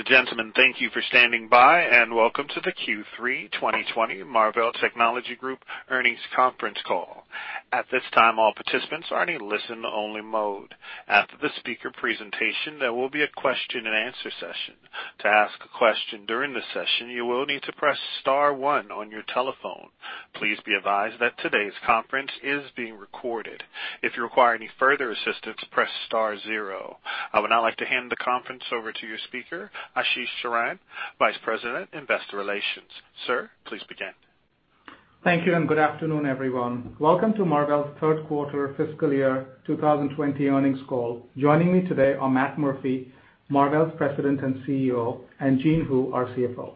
Ladies and gentlemen, thank you for standing by, and welcome to the Q3 2020 Marvell Technology Group earnings conference call. At this time, all participants are in a listen-only mode. After the speaker presentation, there will be a question and answer session. To ask a question during the session, you will need to press star one on your telephone. Please be advised that today's conference is being recorded. If you require any further assistance, press star zero. I would now like to hand the conference over to your speaker, Ashish Saran, Vice President, Investor Relations. Sir, please begin. Thank you, good afternoon, everyone. Welcome to Marvell's third quarter fiscal year 2020 earnings call. Joining me today are Matt Murphy, Marvell's President and CEO, and Jean Hu, our CFO.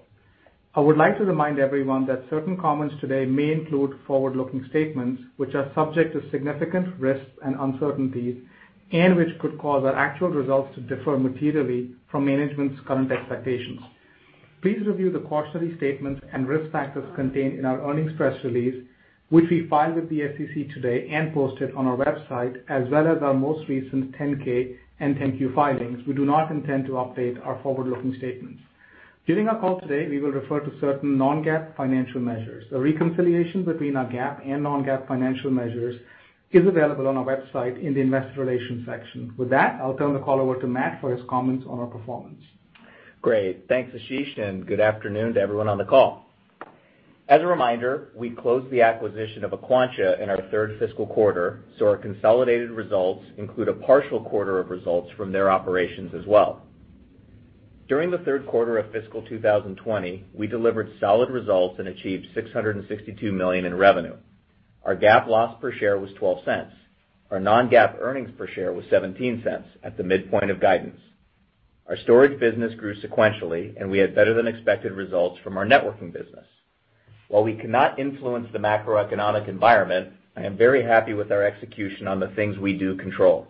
I would like to remind everyone that certain comments today may include forward-looking statements, which are subject to significant risks and uncertainties, and which could cause our actual results to differ materially from management's current expectations. Please review the cautionary statements and risk factors contained in our earnings press release, which we filed with the SEC today and posted on our website, as well as our most recent 10-K and 10-Q filings. We do not intend to update our forward-looking statements. During our call today, we will refer to certain non-GAAP financial measures. A reconciliation between our GAAP and non-GAAP financial measures is available on our website in the investor relations section. With that, I'll turn the call over to Matt for his comments on our performance. Great. Thanks, Ashish, and good afternoon to everyone on the call. As a reminder, we closed the acquisition of Aquantia in our third fiscal quarter, so our consolidated results include a partial quarter of results from their operations as well. During the third quarter of fiscal 2020, we delivered solid results and achieved $662 million in revenue. Our GAAP loss per share was $0.12. Our non-GAAP earnings per share was $0.17 at the midpoint of guidance. Our storage business grew sequentially, and we had better than expected results from our networking business. While we cannot influence the macroeconomic environment, I am very happy with our execution on the things we do control.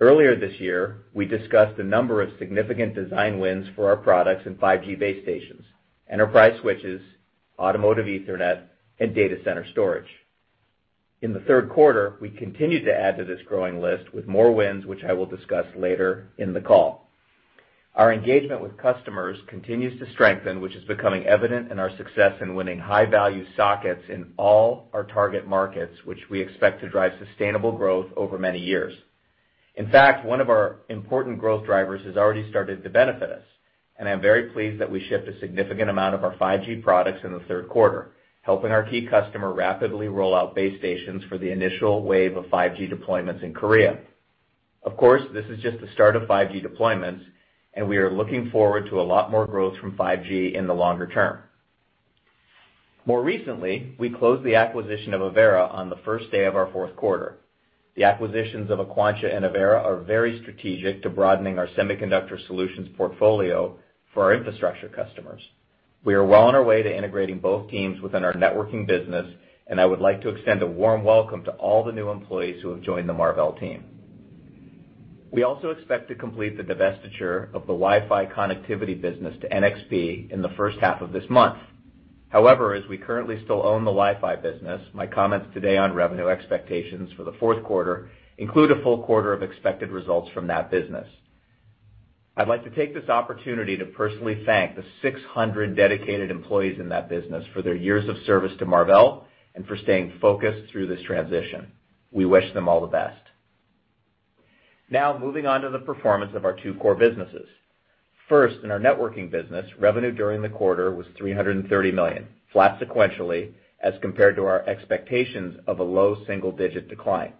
Earlier this year, we discussed a number of significant design wins for our products in 5G base stations, enterprise switches, automotive Ethernet, and data center storage. In the third quarter, we continued to add to this growing list with more wins, which I will discuss later in the call. Our engagement with customers continues to strengthen, which is becoming evident in our success in winning high-value sockets in all our target markets, which we expect to drive sustainable growth over many years. In fact, one of our important growth drivers has already started to benefit us, and I'm very pleased that we shipped a significant amount of our 5G products in the third quarter, helping our key customer rapidly roll out base stations for the initial wave of 5G deployments in Korea. Of course, this is just the start of 5G deployments, and we are looking forward to a lot more growth from 5G in the longer term. More recently, we closed the acquisition of Avera on the first day of our fourth quarter. The acquisitions of Aquantia and Avera are very strategic to broadening our semiconductor solutions portfolio for our infrastructure customers. We are well on our way to integrating both teams within our networking business, and I would like to extend a warm welcome to all the new employees who have joined the Marvell team. We also expect to complete the divestiture of the Wi-Fi connectivity business to NXP in the first half of this month. However, as we currently still own the Wi-Fi business, my comments today on revenue expectations for the fourth quarter include a full quarter of expected results from that business. I'd like to take this opportunity to personally thank the 600 dedicated employees in that business for their years of service to Marvell, and for staying focused through this transition. We wish them all the best. Moving on to the performance of our two core businesses. First, in our networking business, revenue during the quarter was $330 million, flat sequentially as compared to our expectations of a low single-digit decline.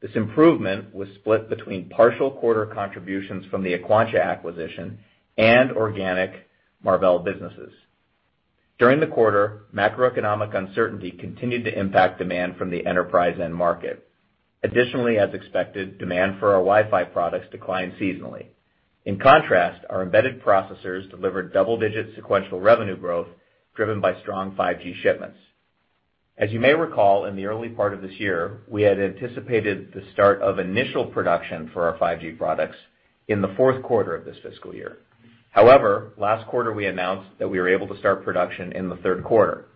This improvement was split between partial quarter contributions from the Aquantia acquisition and organic Marvell businesses. During the quarter, macroeconomic uncertainty continued to impact demand from the enterprise end market. Additionally, as expected, demand for our Wi-Fi products declined seasonally. In contrast, our embedded processors delivered double-digit sequential revenue growth driven by strong 5G shipments. As you may recall, in the early part of this year, we had anticipated the start of initial production for our 5G products in the fourth quarter of this fiscal year. However, last quarter, we announced that we were able to start production in the third quarter.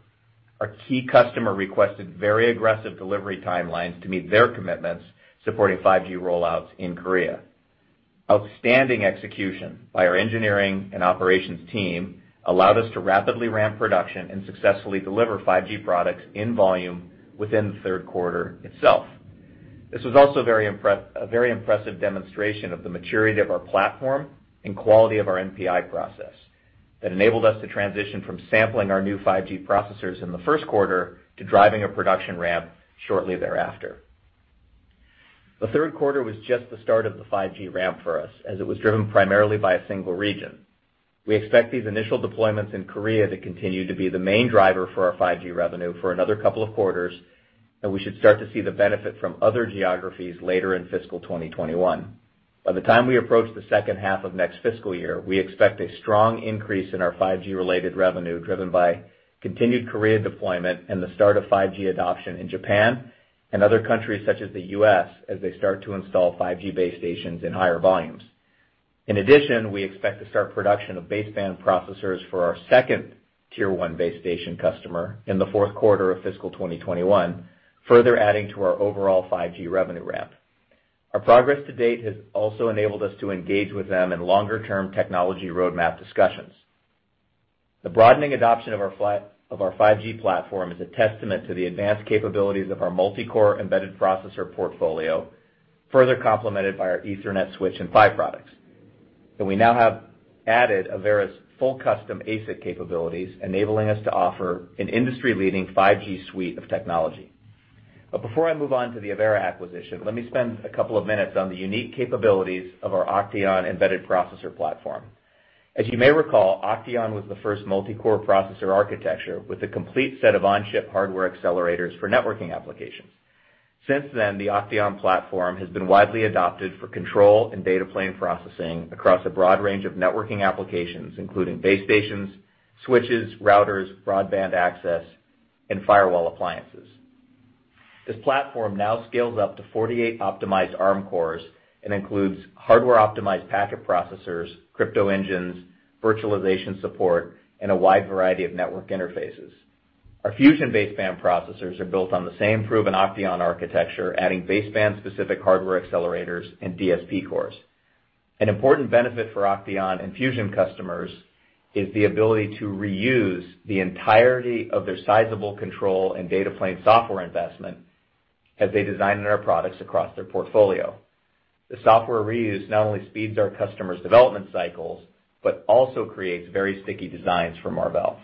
Our key customer requested very aggressive delivery timelines to meet their commitments supporting 5G rollouts in Korea. Outstanding execution by our engineering and operations team allowed us to rapidly ramp production and successfully deliver 5G products in volume within the third quarter itself. This was also a very impressive demonstration of the maturity of our platform and quality of our NPI process that enabled us to transition from sampling our new 5G processors in the first quarter to driving a production ramp shortly thereafter. The third quarter was just the start of the 5G ramp for us, as it was driven primarily by a single region. We expect these initial deployments in Korea to continue to be the main driver for our 5G revenue for another couple of quarters, and we should start to see the benefit from other geographies later in fiscal 2021. By the time we approach the second half of next fiscal year, we expect a strong increase in our 5G-related revenue driven by continued carrier deployment and the start of 5G adoption in Japan and other countries such as the U.S. as they start to install 5G base stations in higher volumes. In addition, we expect to start production of baseband processors for our second Tier 1 base station customer in the fourth quarter of fiscal 2021, further adding to our overall 5G revenue ramp. Our progress to date has also enabled us to engage with them in longer-term technology roadmap discussions. The broadening adoption of our 5G platform is a testament to the advanced capabilities of our multi-core embedded processor portfolio, further complemented by our Ethernet switch and PHY products. We now have added Avera's full custom ASIC capabilities, enabling us to offer an industry-leading 5G suite of technology. Before I move on to the Avera acquisition, let me spend a couple of minutes on the unique capabilities of our OCTEON embedded processor platform. As you may recall, OCTEON was the first multi-core processor architecture with a complete set of on-chip hardware accelerators for networking applications. Since then, the OCTEON platform has been widely adopted for control and data plane processing across a broad range of networking applications, including base stations, switches, routers, broadband access, and firewall appliances. This platform now scales up to 48 optimized Arm cores and includes hardware-optimized packet processors, crypto engines, virtualization support, and a wide variety of network interfaces. Our Fusion baseband processors are built on the same proven OCTEON architecture, adding baseband-specific hardware accelerators and DSP cores. An important benefit for OCTEON and Fusion customers is the ability to reuse the entirety of their sizable control and data plane software investment as they design in our products across their portfolio. The software reuse not only speeds our customers' development cycles, but also creates very sticky designs for Marvell.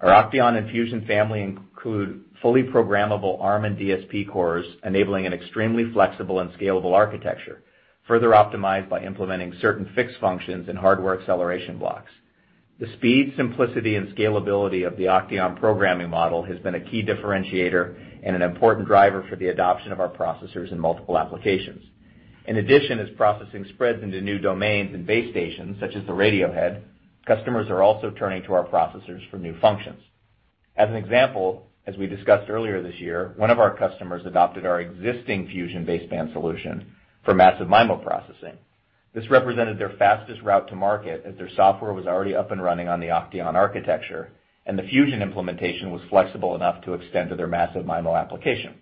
Our OCTEON and Fusion family include fully programmable Arm and DSP cores, enabling an extremely flexible and scalable architecture, further optimized by implementing certain fixed functions and hardware acceleration blocks. The speed, simplicity, and scalability of the OCTEON programming model has been a key differentiator and an important driver for the adoption of our processors in multiple applications. In addition, as processing spreads into new domains and base stations, such as the radio head, customers are also turning to our processors for new functions. As an example, as we discussed earlier this year, one of our customers adopted our existing Fusion baseband solution for massive MIMO processing. This represented their fastest route to market as their software was already up and running on the OCTEON architecture, and the Fusion implementation was flexible enough to extend to their massive MIMO application.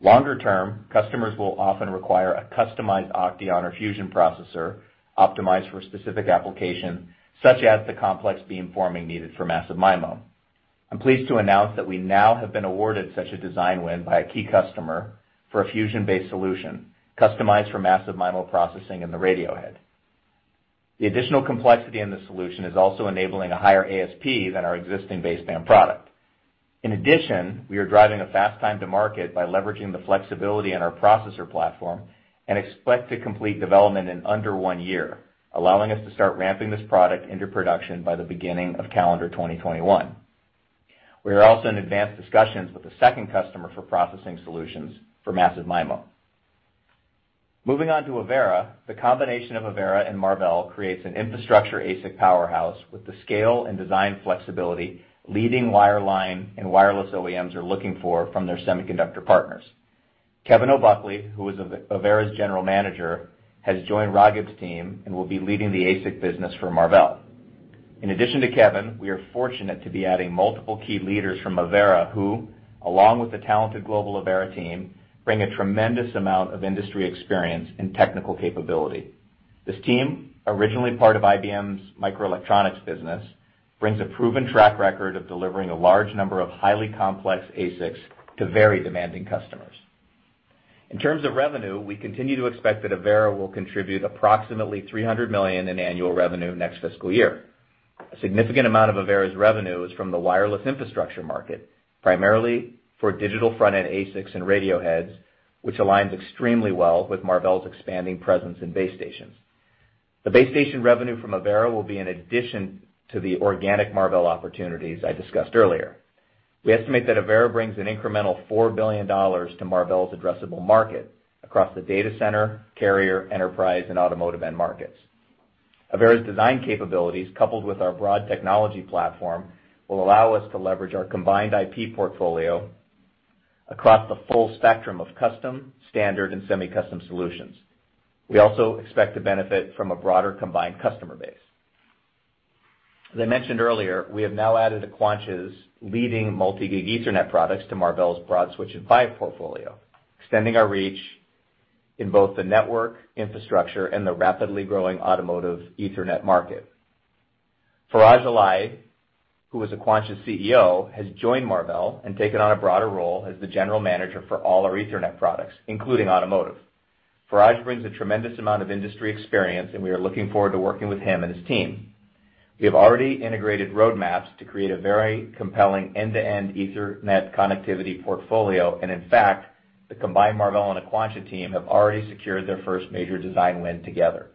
Longer term, customers will often require a customized OCTEON or Fusion processor optimized for a specific application, such as the complex beam forming needed for massive MIMO. I'm pleased to announce that we now have been awarded such a design win by a key customer for a Fusion-based solution customized for massive MIMO processing in the radio head. The additional complexity in the solution is also enabling a higher ASP than our existing baseband product. In addition, we are driving a fast time to market by leveraging the flexibility in our processor platform and expect to complete development in under one year, allowing us to start ramping this product into production by the beginning of calendar 2021. We are also in advanced discussions with a second customer for processing solutions for massive MIMO. Moving on to Avera. The combination of Avera and Marvell creates an infrastructure ASIC powerhouse with the scale and design flexibility leading wireline and wireless OEMs are looking for from their semiconductor partners. Kevin O'Buckley, who is Avera's general manager, has joined Raghib's team and will be leading the ASIC business for Marvell. In addition to Kevin, we are fortunate to be adding multiple key leaders from Avera who, along with the talented global Avera team, bring a tremendous amount of industry experience and technical capability. This team, originally part of IBM's microelectronics business, brings a proven track record of delivering a large number of highly complex ASICs to very demanding customers. In terms of revenue, we continue to expect that Avera will contribute approximately $300 million in annual revenue next fiscal year. A significant amount of Avera's revenue is from the wireless infrastructure market, primarily for digital front-end ASICs and radio heads, which aligns extremely well with Marvell's expanding presence in base stations. The base station revenue from Avera will be in addition to the organic Marvell opportunities I discussed earlier. We estimate that Avera brings an incremental $4 billion to Marvell's addressable market across the data center, carrier, enterprise, and automotive end markets. Avera's design capabilities, coupled with our broad technology platform, will allow us to leverage our combined IP portfolio across the full spectrum of custom, standard, and semi-custom solutions. We also expect to benefit from a broader combined customer base. As I mentioned earlier, we have now added Aquantia's leading Multi-Gig Ethernet products to Marvell's broad switch and PHY portfolio, extending our reach in both the network infrastructure and the rapidly growing automotive Ethernet market. Faraj Aalaei, who is Aquantia's CEO, has joined Marvell and taken on a broader role as the general manager for all our Ethernet products, including automotive. Faraj brings a tremendous amount of industry experience, we are looking forward to working with him and his team. We have already integrated roadmaps to create a very compelling end-to-end Ethernet connectivity portfolio. In fact, the combined Marvell and Aquantia team have already secured their first major design win together.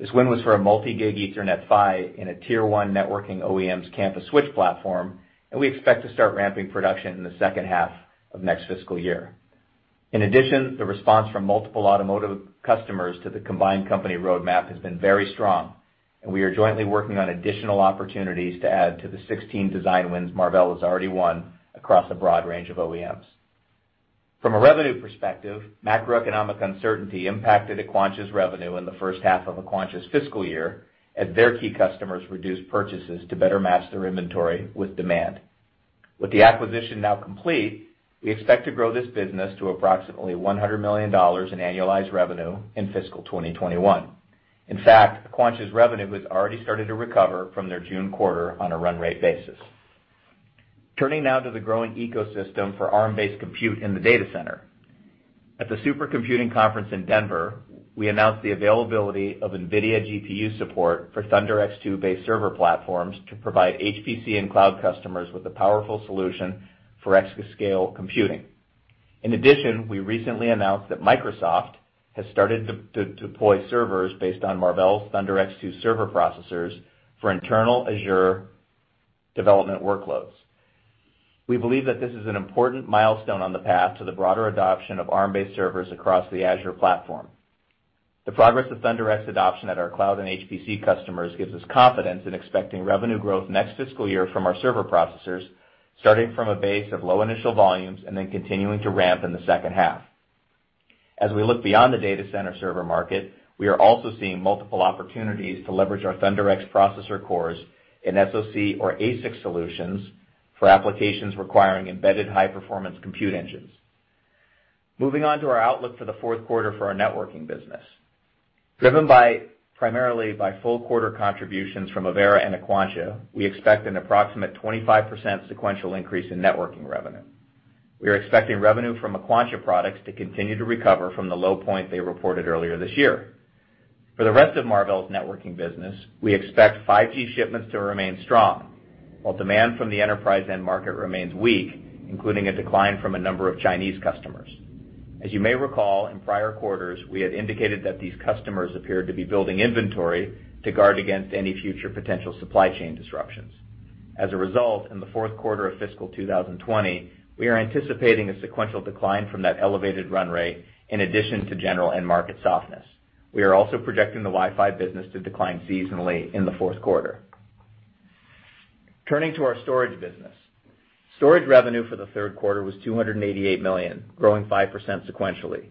This win was for a Multi-Gig Ethernet PHY in a Tier 1 networking OEM's campus switch platform, and we expect to start ramping production in the second half of next fiscal year. In addition, the response from multiple automotive customers to the combined company roadmap has been very strong, and we are jointly working on additional opportunities to add to the 16 design wins Marvell has already won across a broad range of OEMs. From a revenue perspective, macroeconomic uncertainty impacted Aquantia's revenue in the first half of Aquantia's fiscal year as their key customers reduced purchases to better match their inventory with demand. With the acquisition now complete, we expect to grow this business to approximately $100 million in annualized revenue in fiscal 2021. In fact, Aquantia's revenue has already started to recover from their June quarter on a run rate basis. Turning now to the growing ecosystem for Arm-based compute in the data center. At the Supercomputing Conference in Denver, we announced the availability of NVIDIA GPU support for ThunderX2-based server platforms to provide HPC and cloud customers with a powerful solution for exascale computing. In addition, we recently announced that Microsoft has started to deploy servers based on Marvell's ThunderX2 server processors for internal Azure development workloads. We believe that this is an important milestone on the path to the broader adoption of Arm-based servers across the Azure platform. The progress of ThunderX adoption at our cloud and HPC customers gives us confidence in expecting revenue growth next fiscal year from our server processors, starting from a base of low initial volumes and then continuing to ramp in the second half. As we look beyond the data center server market, we are also seeing multiple opportunities to leverage our ThunderX processor cores in SoC or ASIC solutions for applications requiring embedded high-performance compute engines. Moving on to our outlook for the fourth quarter for our networking business. Driven primarily by full quarter contributions from Avera and Aquantia, we expect an approximate 25% sequential increase in networking revenue. We are expecting revenue from Aquantia products to continue to recover from the low point they reported earlier this year. For the rest of Marvell's networking business, we expect 5G shipments to remain strong, while demand from the enterprise end market remains weak, including a decline from a number of Chinese customers. As you may recall, in prior quarters, we had indicated that these customers appeared to be building inventory to guard against any future potential supply chain disruptions. In the fourth quarter of fiscal 2020, we are anticipating a sequential decline from that elevated run rate in addition to general end market softness. We are also projecting the Wi-Fi business to decline seasonally in the fourth quarter. Turning to our storage business. Storage revenue for the third quarter was $288 million, growing 5% sequentially.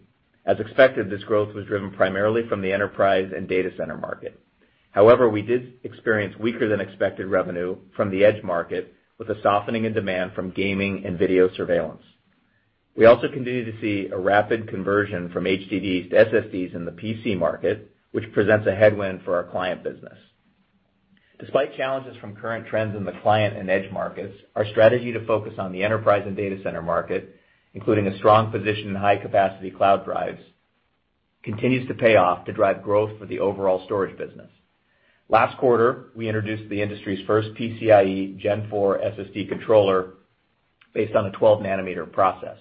This growth was driven primarily from the enterprise and data center market. We did experience weaker than expected revenue from the edge market with a softening in demand from gaming and video surveillance. We also continue to see a rapid conversion from HDDs to SSDs in the PC market, which presents a headwind for our client business. Despite challenges from current trends in the client and edge markets, our strategy to focus on the enterprise and data center market, including a strong position in high capacity cloud drives, continues to pay off to drive growth for the overall storage business. Last quarter, we introduced the industry's first PCIe Gen4 SSD controller based on a 12 nm process.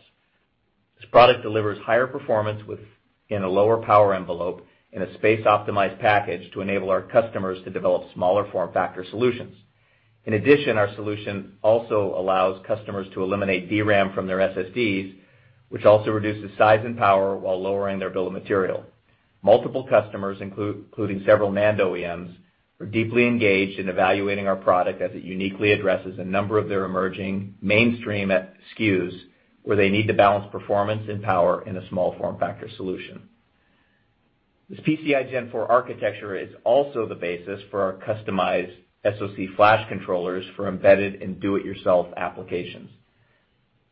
This product delivers higher performance within a lower power envelope in a space-optimized package to enable our customers to develop smaller form factor solutions. In addition, our solution also allows customers to eliminate DRAM from their SSDs, which also reduces size and power while lowering their bill of material. Multiple customers, including several NAND OEMs, are deeply engaged in evaluating our product as it uniquely addresses a number of their emerging mainstream SKUs where they need to balance performance and power in a small form factor solution. This PCIe Gen4 architecture is also the basis for our customized SoC flash controllers for embedded and do-it-yourself applications.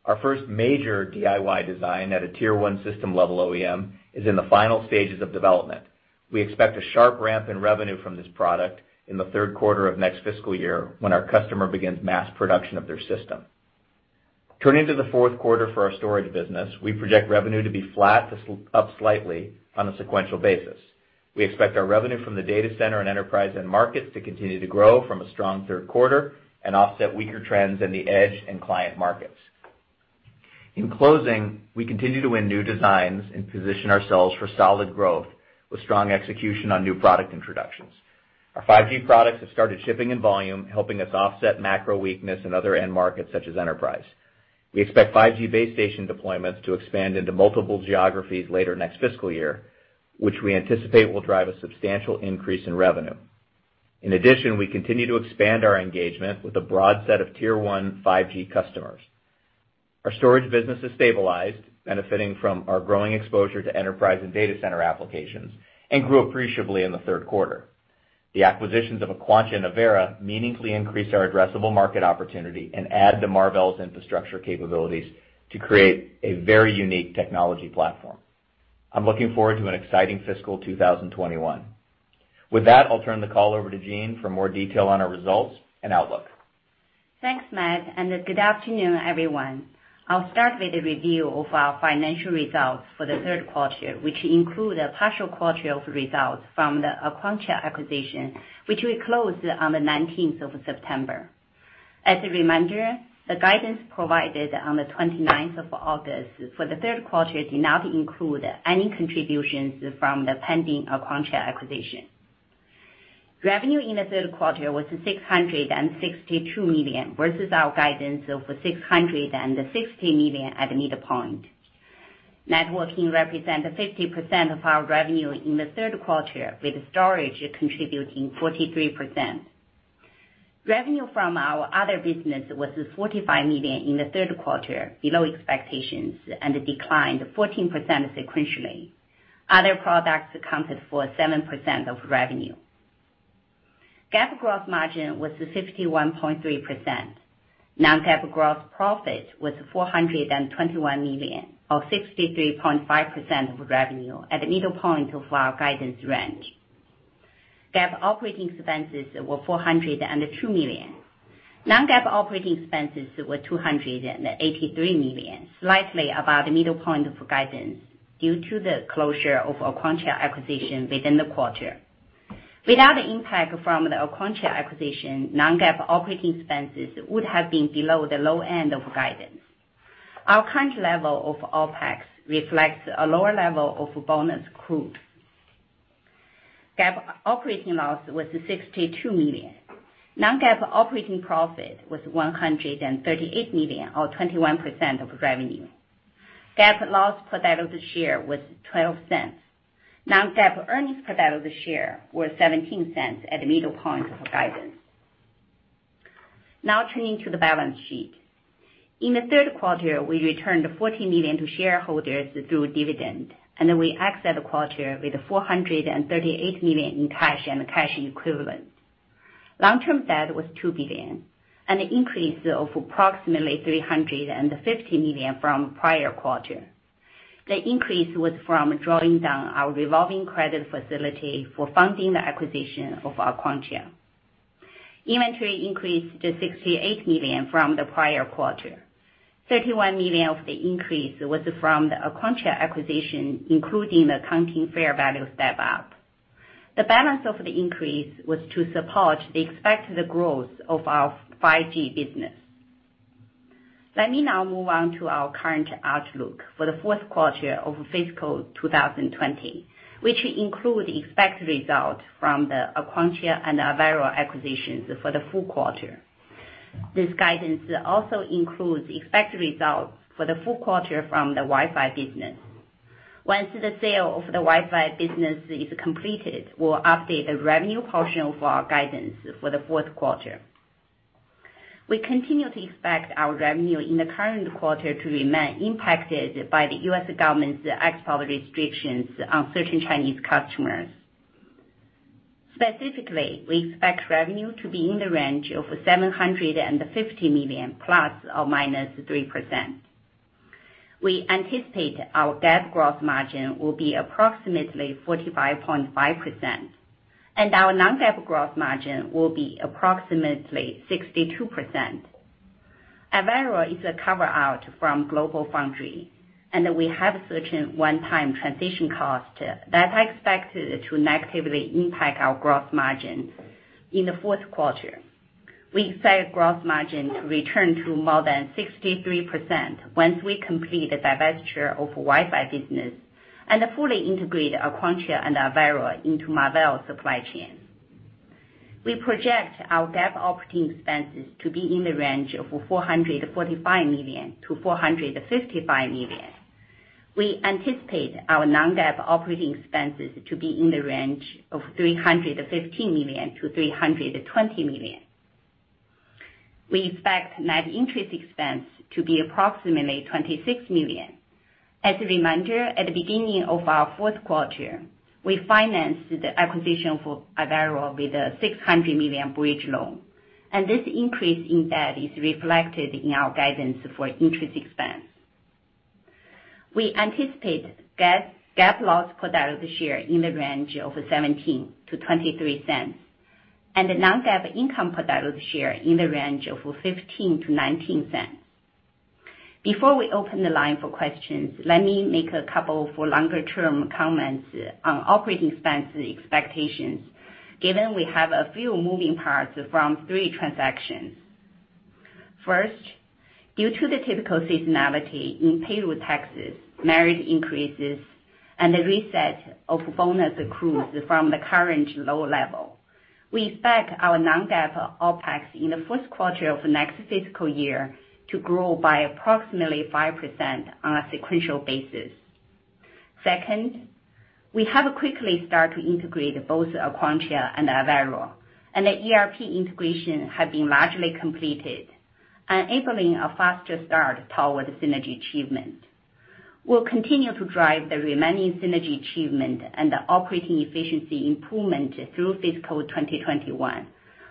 Our first major DIY design at a Tier 1 system level OEM is in the final stages of development. We expect a sharp ramp in revenue from this product in the third quarter of next fiscal year when our customer begins mass production of their system. Turning to the fourth quarter for our storage business, we project revenue to be flat to up slightly on a sequential basis. We expect our revenue from the data center and enterprise end markets to continue to grow from a strong third quarter and offset weaker trends in the edge and client markets. In closing, we continue to win new designs and position ourselves for solid growth with strong execution on new product introductions. Our 5G products have started shipping in volume, helping us offset macro weakness in other end markets such as enterprise. We expect 5G base station deployments to expand into multiple geographies later next fiscal year, which we anticipate will drive a substantial increase in revenue. In addition, we continue to expand our engagement with a broad set of Tier 1 5G customers. Our storage business has stabilized, benefiting from our growing exposure to enterprise and data center applications, and grew appreciably in the third quarter. The acquisitions of Aquantia and Avera meaningfully increase our addressable market opportunity and add to Marvell's infrastructure capabilities to create a very unique technology platform. I'm looking forward to an exciting fiscal 2021. With that, I'll turn the call over to Jean for more detail on our results and outlook. Thanks, Matt. Good afternoon, everyone. I'll start with a review of our financial results for the third quarter, which include a partial quarter of results from the Aquantia acquisition, which we closed on the 19th of September. As a reminder, the guidance provided on the 29th of August for the third quarter did not include any contributions from the pending Aquantia acquisition. Revenue in the third quarter was $662 million, versus our guidance of $660 million at the midpoint. Networking represented 50% of our revenue in the third quarter, with storage contributing 43%. Revenue from our other business was $45 million in the third quarter, below expectations, and declined 14% sequentially. Other products accounted for 7% of revenue. GAAP gross margin was 61.3%. Non-GAAP gross profit was $421 million or 63.5% of revenue at the middle point of our guidance range. GAAP operating expenses were $402 million. Non-GAAP operating expenses were $283 million, slightly above the middle point of guidance due to the closure of Aquantia acquisition within the quarter. Without the impact from the Aquantia acquisition, non-GAAP operating expenses would have been below the low end of guidance. Our current level of OpEx reflects a lower level of bonus accruals. GAAP operating loss was $62 million. Non-GAAP operating profit was $138 million or 21% of revenue. GAAP loss per diluted share was $0.12. Non-GAAP earnings per diluted share were $0.17 at the middle point of guidance. Turning to the balance sheet. In the third quarter, we returned $14 million to shareholders through dividend, and we exit the quarter with $438 million in cash and cash equivalents. Long-term debt was $2 billion, an increase of approximately $350 million from the prior quarter. The increase was from drawing down our revolving credit facility for funding the acquisition of Aquantia. Inventory increased to $68 million from the prior quarter. $31 million of the increase was from the Aquantia acquisition, including the accounting fair value step-up. The balance of the increase was to support the expected growth of our 5G business. Let me now move on to our current outlook for the fourth quarter of fiscal 2020, which include expected result from the Aquantia and Avera acquisitions for the full quarter. This guidance also includes expected results for the full quarter from the Wi-Fi business. Once the sale of the Wi-Fi business is completed, we'll update the revenue portion of our guidance for the fourth quarter. We continue to expect our revenue in the current quarter to remain impacted by the U.S. government's export restrictions on certain Chinese customers. We expect revenue to be in the range of $750 million plus or minus 3%. We anticipate our GAAP gross margin will be approximately 45.5%, and our non-GAAP gross margin will be approximately 62%. Avera is a carve-out from GlobalFoundries. We have certain one-time transition cost that are expected to negatively impact our gross margins in the fourth quarter. We expect gross margin to return to more than 63% once we complete the divestiture of Wi-Fi business and fully integrate Aquantia and Avera into Marvell supply chain. We project our GAAP operating expenses to be in the range of $445 million-$455 million. We anticipate our non-GAAP operating expenses to be in the range of $315 million-$320 million. We expect net interest expense to be approximately $26 million. As a reminder, at the beginning of our fourth quarter, we financed the acquisition for Avera with a $600 million bridge loan, and this increase in debt is reflected in our guidance for interest expense. We anticipate GAAP loss per diluted share in the range of $0.17-$0.23 and a non-GAAP income per diluted share in the range of $0.15-$0.19. Before we open the line for questions, let me make a couple for longer term comments on operating expense expectations, given we have a few moving parts from three transactions. First, due to the typical seasonality in payroll taxes, merit increases, and the reset of bonus accruals from the current low level, we expect our non-GAAP OpEx in the first quarter of next fiscal year to grow by approximately 5% on a sequential basis. Second, we have quickly start to integrate both Aquantia and Avera, and the ERP integration have been largely completed, enabling a faster start toward synergy achievement. We'll continue to drive the remaining synergy achievement and the operating efficiency improvement through fiscal 2021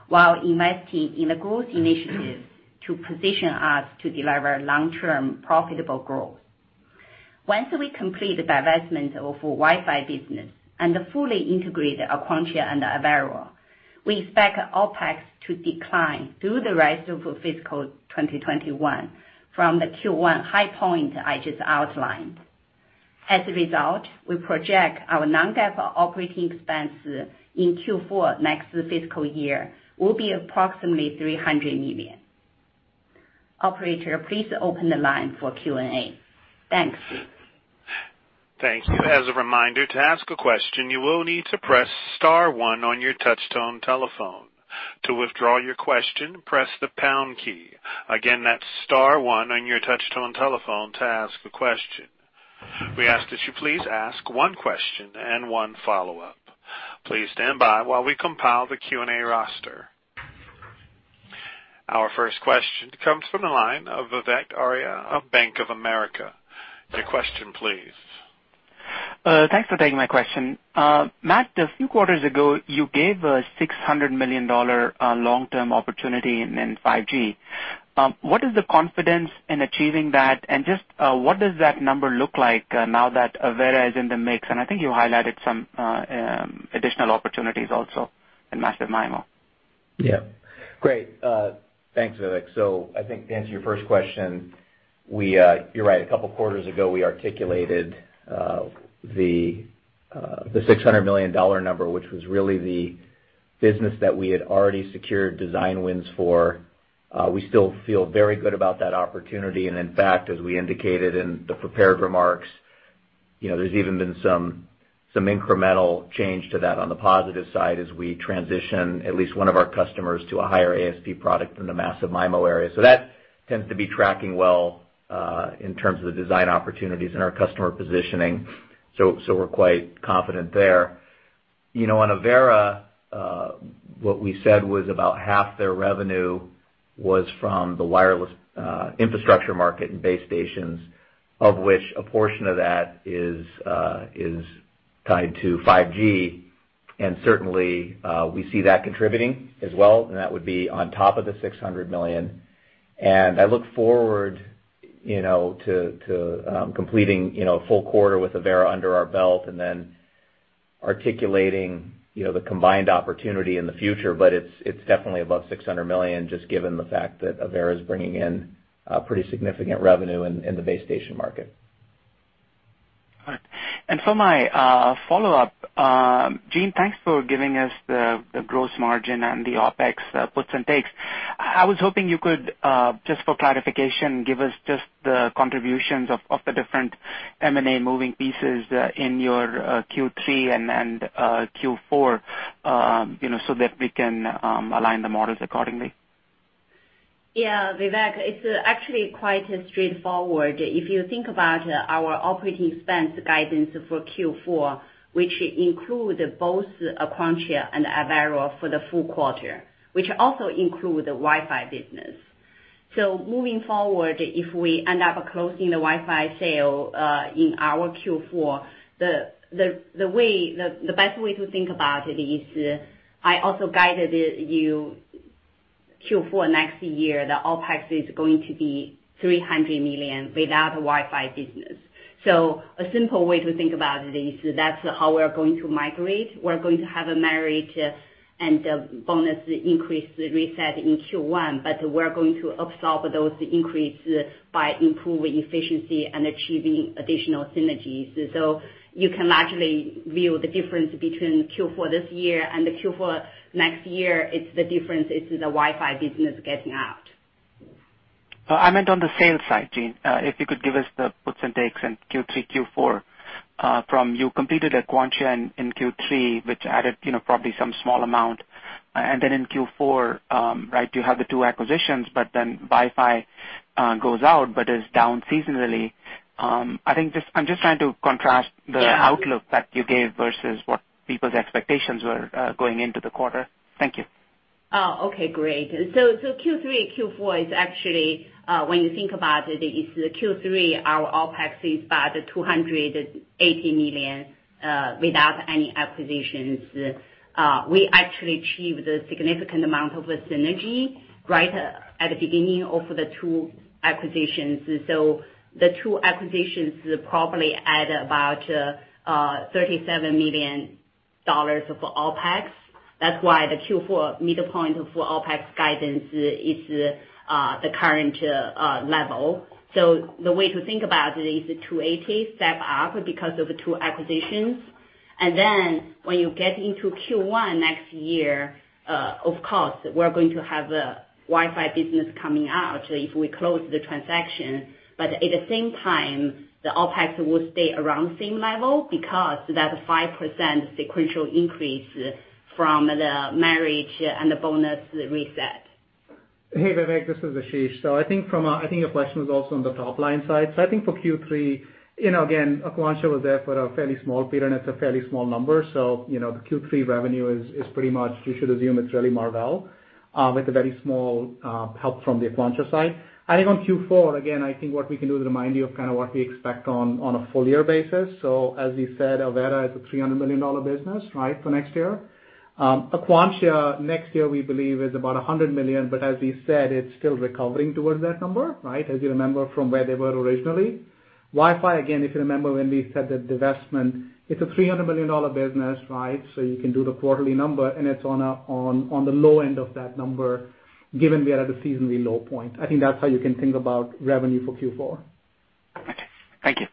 while investing in the growth initiative to position us to deliver long-term profitable growth. Once we complete the divestment of Wi-Fi business and fully integrate Aquantia and Avera, we expect OpEx to decline through the rest of fiscal 2021 from the Q1 high point I just outlined. As a result, we project our non-GAAP operating expense in Q4 next fiscal year will be approximately $300 million. Operator, please open the line for Q&A. Thanks. Thank you. As a reminder, to ask a question, you will need to press star one on your touch-tone telephone. To withdraw your question, press the pound key. Again, that's star one on your touch-tone telephone to ask a question. We ask that you please ask one question and one follow-up. Please stand by while we compile the Q&A roster. Our first question comes from the line of Vivek Arya of Bank of America. Your question please. Thanks for taking my question. Matt, a few quarters ago, you gave a $600 million long-term opportunity in 5G. What is the confidence in achieving that? Just what does that number look like now that Avera is in the mix? I think you highlighted some additional opportunities also in massive MIMO. Great. Thanks, Vivek. I think to answer your first question, you're right. A couple quarters ago, we articulated the $600 million number, which was really the business that we had already secured design wins for. We still feel very good about that opportunity. In fact, as we indicated in the prepared remarks, there's even been some incremental change to that on the positive side as we transition at least one of our customers to a higher ASP product from the massive MIMO area. That tends to be tracking well in terms of the design opportunities and our customer positioning. We're quite confident there. On Avera, what we said was about half their revenue was from the wireless infrastructure market and base stations, of which a portion of that is tied to 5G and certainly, we see that contributing as well, and that would be on top of the $600 million. I look forward to completing a full quarter with Avera under our belt and then articulating the combined opportunity in the future. It's definitely above $600 million, just given the fact that Avera is bringing in pretty significant revenue in the base station market. All right. For my follow-up, Jean, thanks for giving us the gross margin and the OpEx puts and takes. I was hoping you could, just for clarification, give us just the contributions of the different M&A moving pieces in your Q3 and Q4, so that we can align the models accordingly. Yeah, Vivek, it's actually quite straightforward. If you think about our operating expense guidance for Q4, which include both Aquantia and Avera for the full quarter, which also include the Wi-Fi business. Moving forward, if we end up closing the Wi-Fi sale in our Q4, the best way to think about it is, I also guided you Q4 next year, the OpEx is going to be $300 million without Wi-Fi business. A simple way to think about it is that's how we're going to migrate. We're going to have a merit and a bonus increase reset in Q1, but we're going to absorb those increase by improving efficiency and achieving additional synergies. You can largely view the difference between Q4 this year and the Q4 next year, it's the difference, it's the Wi-Fi business getting out. I meant on the sales side, Jean. If you could give us the puts and takes in Q3, Q4 from you completed Aquantia in Q3, which added probably some small amount. In Q4, you have the two acquisitions, but then Wi-Fi goes out but is down seasonally. I'm just trying to contrast the outlook that you gave versus what people's expectations were going into the quarter. Thank you. Oh, okay, great. Q3, Q4 is actually, when you think about it, is the Q3, our OpEx is about $280 million, without any acquisitions. We actually achieved a significant amount of synergy right at the beginning of the two acquisitions. The two acquisitions probably add about $37 million of OpEx. That's why the Q4 midpoint for OpEx guidance is the current level. The way to think about it is the $280 step up because of the two acquisitions. When you get into Q1 next year, of course, we're going to have a Wi-Fi business coming out if we close the transaction. At the same time, the OpEx will stay around same level because that 5% sequential increase from the merit and the bonus reset. Hey, Vivek, this is Ashish. I think your question was also on the top-line side. I think for Q3, again, Aquantia was there for a fairly small period, and it's a fairly small number. The Q3 revenue is pretty much, you should assume it's really Marvell, with a very small help from the Aquantia side. I think on Q4, again, I think what we can do is remind you of kind of what we expect on a full year basis. As we said, Avera is a $300 million business for next year. Aquantia next year, we believe, is about $100 million, but as we said, it's still recovering towards that number as you remember from where they were originally. Wi-Fi, again, if you remember when we said the divestment, it's a $300 million business. You can do the quarterly number, and it's on the low end of that number, given we are at a seasonally low point. I think that's how you can think about revenue for Q4. Okay. Thank you.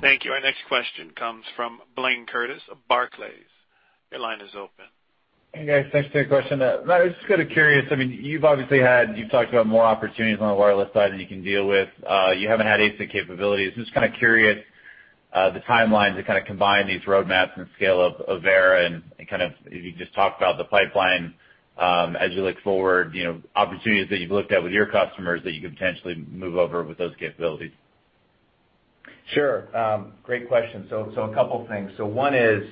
Thank you. Our next question comes from Blayne Curtis of Barclays. Your line is open. Hey, guys. Thanks for the question. I was just kind of curious, you've obviously talked about more opportunities on the wireless side than you can deal with. You haven't had ASIC capabilities, just kind of curious. The timeline to kind of combine these roadmaps and scale of Avera and kind of, you just talked about the pipeline, as you look forward, opportunities that you've looked at with your customers that you could potentially move over with those capabilities. Sure. Great question. A couple of things. One is,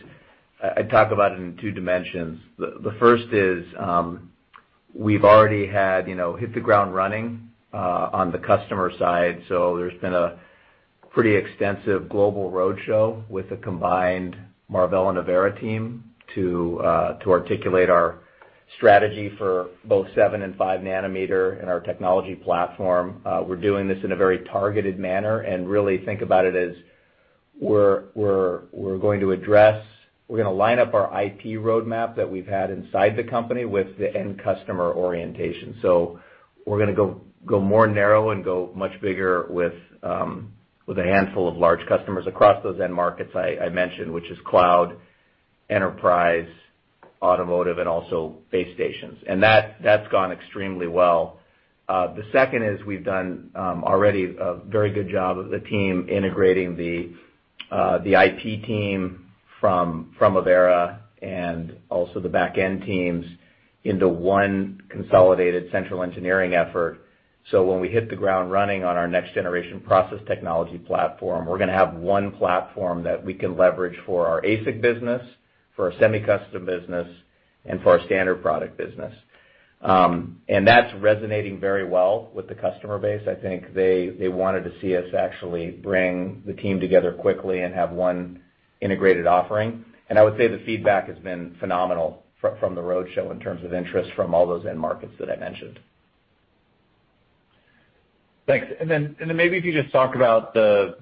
I'd talk about it in two dimensions. The first is, we've already had hit the ground running on the customer side. There's been a pretty extensive global roadshow with the combined Marvell and Avera team to articulate our strategy for both seven and five nanometer in our technology platform. We're doing this in a very targeted manner and really think about it as we're going to line up our IP roadmap that we've had inside the company with the end customer orientation. We're going to go more narrow and go much bigger with a handful of large customers across those end markets I mentioned, which is cloud, enterprise, automotive, and also base stations. That's gone extremely well. The second is we've done already a very good job of the team integrating the IP team from Avera and also the back end teams into one consolidated central engineering effort. When we hit the ground running on our next generation process technology platform, we're going to have one platform that we can leverage for our ASIC business, for our semi-custom business, and for our standard product business. That's resonating very well with the customer base. I think they wanted to see us actually bring the team together quickly and have one integrated offering. I would say the feedback has been phenomenal from the roadshow in terms of interest from all those end markets that I mentioned. Thanks. Maybe if you just talk about the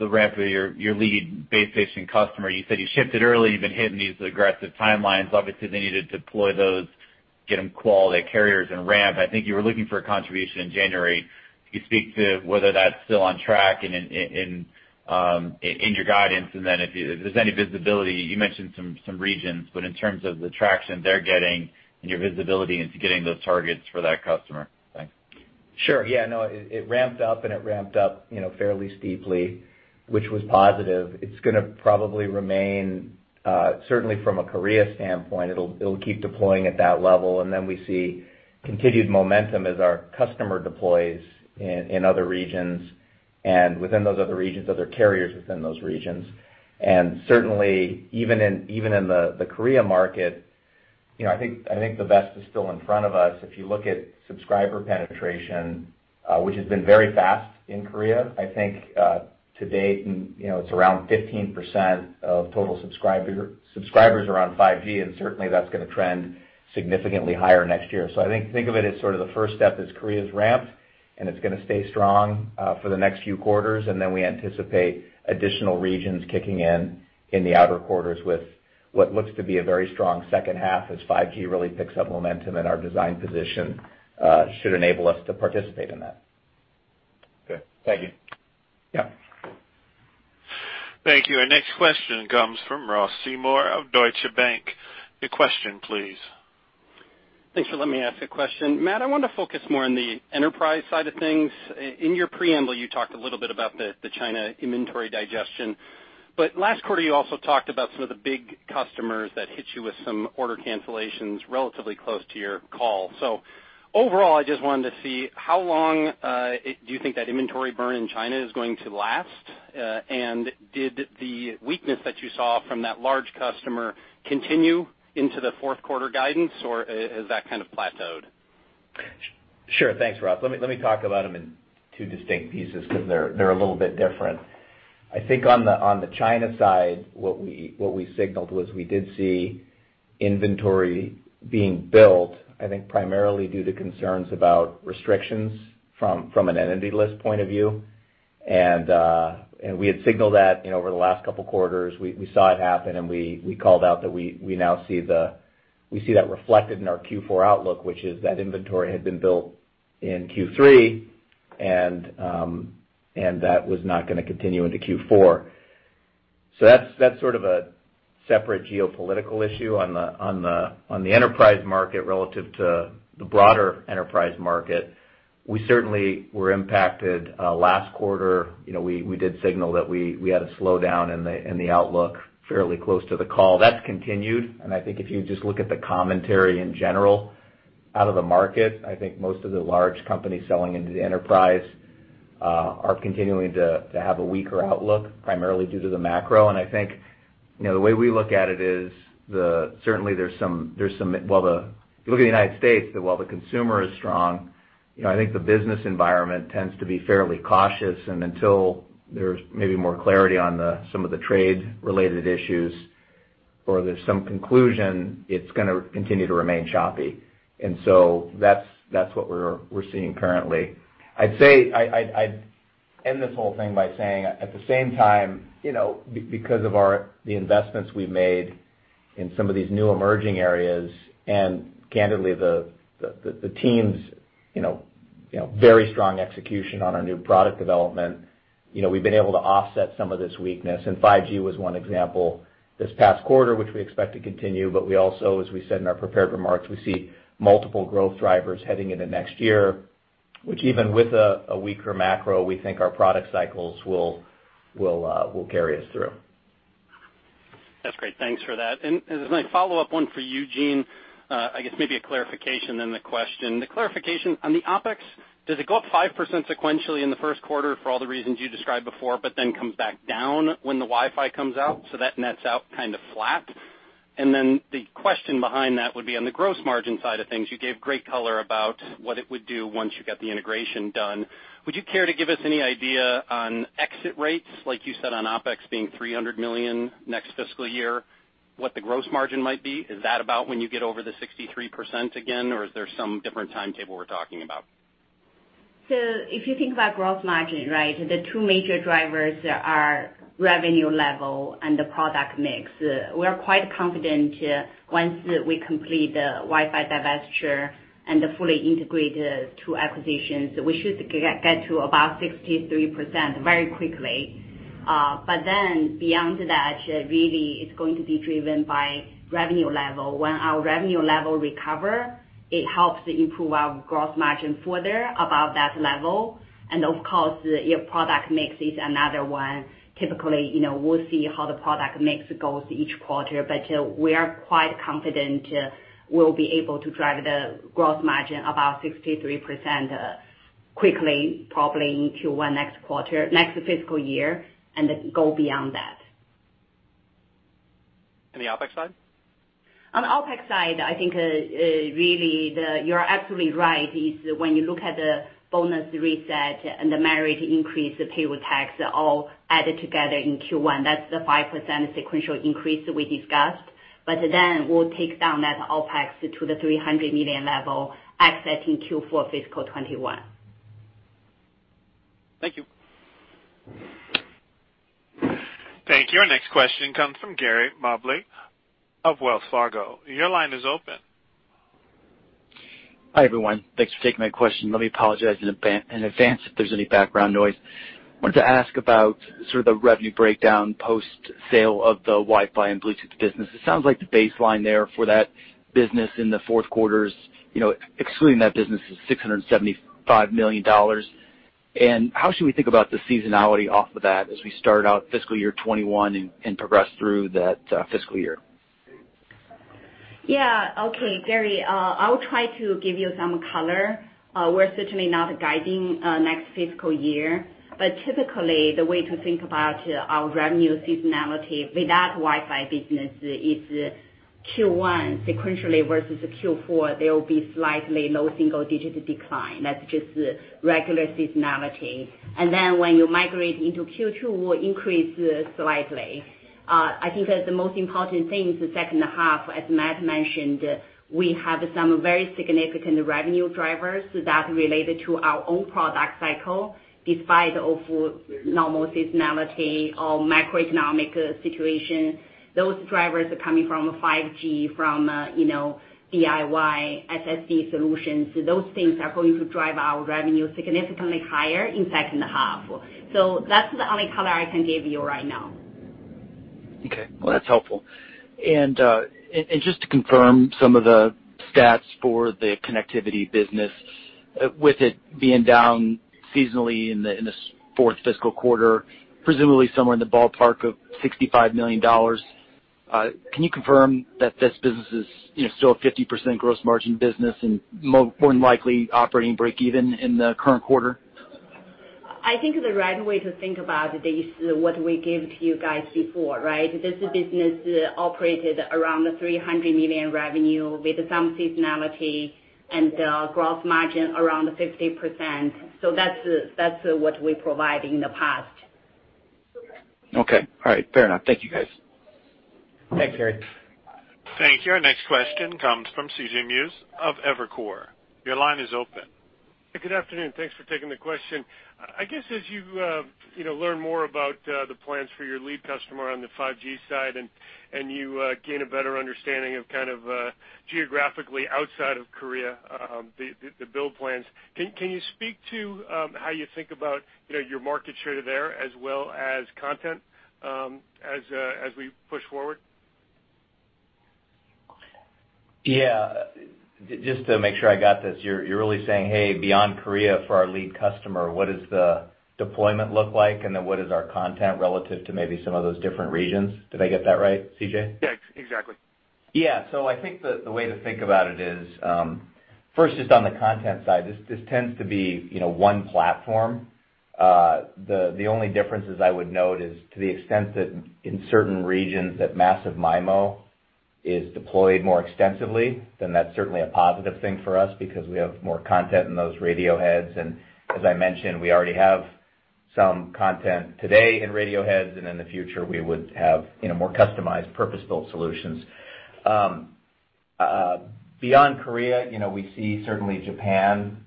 ramp of your lead base station customer. You said you shipped it early, you've been hitting these aggressive timelines. Obviously, they needed to deploy those, get them quality carriers and ramp. I think you were looking for a contribution in January. Could you speak to whether that's still on track and in your guidance, and then if there's any visibility, you mentioned some regions, but in terms of the traction they're getting and your visibility into getting those targets for that customer. Thanks. Sure. Yeah, no, it ramped up and it ramped up fairly steeply, which was positive. It's going to probably remain, certainly from a Korea standpoint, it'll keep deploying at that level, and then we see continued momentum as our customer deploys in other regions and within those other regions, other carriers within those regions. Certainly even in the Korea market, I think the best is still in front of us. If you look at subscriber penetration, which has been very fast in Korea, I think to date, it's around 15% of total subscribers are on 5G, and certainly that's going to trend significantly higher next year. I think of it as sort of the first step is Korea's ramp, and it's going to stay strong for the next few quarters, and then we anticipate additional regions kicking in the outer quarters with what looks to be a very strong second half as 5G really picks up momentum and our design position should enable us to participate in that. Okay. Thank you. Yeah. Thank you. Our next question comes from Ross Seymore of Deutsche Bank. Your question, please. Thanks for letting me ask a question. Matt, I want to focus more on the enterprise side of things. In your preamble, you talked a little bit about the China inventory digestion, last quarter, you also talked about some of the big customers that hit you with some order cancellations relatively close to your call. Overall, I just wanted to see how long do you think that inventory burn in China is going to last? Did the weakness that you saw from that large customer continue into the fourth quarter guidance, or has that kind of plateaued? Sure. Thanks, Ross. Let me talk about them in two distinct pieces because they're a little bit different. I think on the China side, what we signaled was we did see inventory being built, I think primarily due to concerns about restrictions from an entity list point of view. We had signaled that over the last couple of quarters. We saw it happen, and we called out that we now see that reflected in our Q4 outlook, which is that inventory had been built in Q3, and that was not going to continue into Q4. That's sort of a separate geopolitical issue on the enterprise market relative to the broader enterprise market. We certainly were impacted last quarter. We did signal that we had a slowdown in the outlook fairly close to the call. That's continued. I think if you just look at the commentary in general out of the market, I think most of the large companies selling into the enterprise are continuing to have a weaker outlook, primarily due to the macro. I think, the way we look at it is, if you look at the United States, while the consumer is strong, I think the business environment tends to be fairly cautious, and until there's maybe more clarity on some of the trade-related issues or there's some conclusion, it's going to continue to remain choppy. That's what we're seeing currently. I'd end this whole thing by saying, at the same time, because of the investments we've made in some of these new emerging areas, and candidly, the team's very strong execution on our new product development, we've been able to offset some of this weakness. 5G was one example this past quarter, which we expect to continue, but we also, as we said in our prepared remarks, we see multiple growth drivers heading into next year which even with a weaker macro, we think our product cycles will carry us through. That's great. Thanks for that. As my follow-up, one for you, Jean. I guess maybe a clarification, then the question. The clarification on the OpEx, does it go up 5% sequentially in the first quarter for all the reasons you described before, but then come back down when the Wi-Fi comes out, so that nets out kind of flat? The question behind that would be on the gross margin side of things. You gave great color about what it would do once you got the integration done. Would you care to give us any idea on exit rates, like you said on OpEx being $300 million next fiscal year, what the gross margin might be? Is that about when you get over the 63% again, or is there some different timetable we're talking about? If you think about gross margin, right, the two major drivers are revenue level and the product mix. We're quite confident once we complete the Wi-Fi divestiture and the fully integrated two acquisitions, we should get to about 63% very quickly. Beyond that, really, it's going to be driven by revenue level. When our revenue level recover, it helps improve our gross margin further above that level, and of course, your product mix is another one. Typically, we'll see how the product mix goes each quarter, but we are quite confident we'll be able to drive the gross margin above 63% quickly, probably into next fiscal year, and go beyond that. On the OpEx side? On the OpEx side, I think, really, you're absolutely right, is when you look at the bonus reset and the merit increase, the payroll tax all added together in Q1, that's the 5% sequential increase we discussed. We'll take down that OpEx to the $300 million level, exiting Q4 fiscal 2021. Thank you. Thank you. Our next question comes from Gary Mobley of Wells Fargo. Your line is open. Hi, everyone. Thanks for taking my question. Let me apologize in advance if there's any background noise. I wanted to ask about sort of the revenue breakdown post-sale of the Wi-Fi and Bluetooth business. It sounds like the baseline there for that business in the fourth quarter, excluding that business, is $675 million. How should we think about the seasonality off of that as we start out fiscal year 2021 and progress through that fiscal year? Okay. Gary, I'll try to give you some color. We're certainly not guiding next fiscal year, but typically, the way to think about our revenue seasonality without Wi-Fi business is Q1 sequentially versus Q4, there will be slightly low single-digit decline. Then when you migrate into Q2, will increase slightly. I think that the most important thing is the second half. As Matt mentioned, we have some very significant revenue drivers that related to our own product cycle, despite of normal seasonality or macroeconomic situation. Those drivers are coming from 5G, from DIY SSD solutions. Those things are going to drive our revenue significantly higher in second half. That's the only color I can give you right now. Okay. Well, that's helpful. Just to confirm some of the stats for the connectivity business, with it being down seasonally in the fourth fiscal quarter, presumably somewhere in the ballpark of $65 million, can you confirm that this business is still a 50% gross margin business and more than likely operating breakeven in the current quarter? I think the right way to think about this, what we gave to you guys before, right? This business operated around the $300 million revenue with some seasonality and gross margin around 50%. That's what we provide in the past. Okay. All right, fair enough. Thank you, guys. Thanks, Gary. Thank you. Our next question comes from C.J. Muse of Evercore. Your line is open. Good afternoon. Thanks for taking the question. I guess as you learn more about the plans for your lead customer on the 5G side and you gain a better understanding of kind of geographically outside of Korea, the build plans, can you speak to how you think about your market share there as well as content as we push forward? Yeah. Just to make sure I got this, you're really saying, hey, beyond Korea for our lead customer, what is the deployment look like, and then what is our content relative to maybe some of those different regions? Did I get that right, C.J.? Yes, exactly. Yeah. I think the way to think about it is, first, just on the content side, this tends to be one platform. The only differences I would note is to the extent that in certain regions that massive MIMO is deployed more extensively, then that's certainly a positive thing for us because we have more content in those radio heads. And as I mentioned, we already have some content today in radio heads, and in the future, we would have more customized purpose-built solutions. Beyond Korea, we see certainly Japan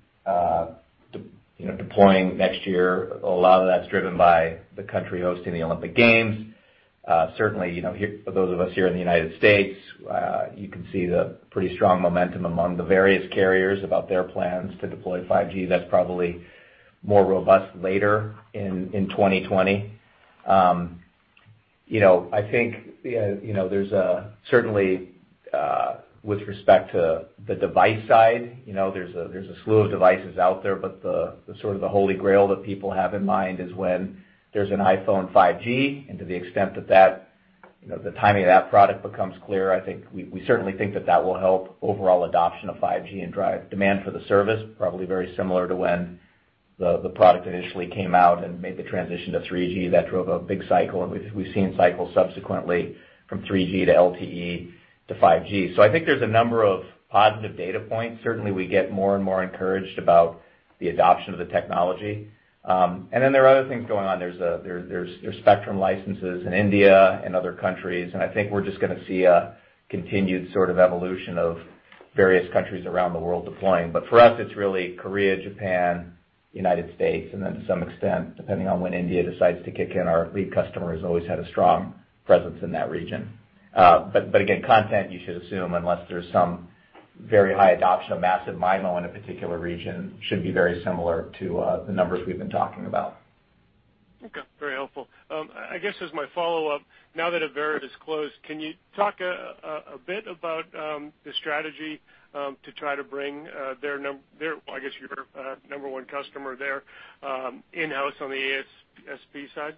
deploying next year. A lot of that's driven by the country hosting the Olympic Games. Certainly, for those of us here in the U.S., you can see the pretty strong momentum among the various carriers about their plans to deploy 5G. That's probably more robust later in 2020. Certainly with respect to the device side, there's a slew of devices out there, but the sort of holy grail that people have in mind is when there's an iPhone 5G. To the extent that the timing of that product becomes clear, we certainly think that will help overall adoption of 5G and drive demand for the service, probably very similar to when the product initially came out and made the transition to 3G. That drove a big cycle. We've seen cycles subsequently from 3G to LTE to 5G. I think there's a number of positive data points. Certainly, we get more and more encouraged about the adoption of the technology. Then there are other things going on. There's spectrum licenses in India and other countries, and I think we're just going to see a continued sort of evolution of various countries around the world deploying. For us, it's really Korea, Japan, United States, and then to some extent, depending on when India decides to kick in, our lead customer has always had a strong presence in that region. Again, content you should assume, unless there's some very high adoption of massive MIMO in a particular region, should be very similar to the numbers we've been talking about. Okay. Very helpful. I guess as my follow-up, now that Avera is closed, can you talk a bit about the strategy to try to bring their, I guess your number 1 customer there, in-house on the ASSP side?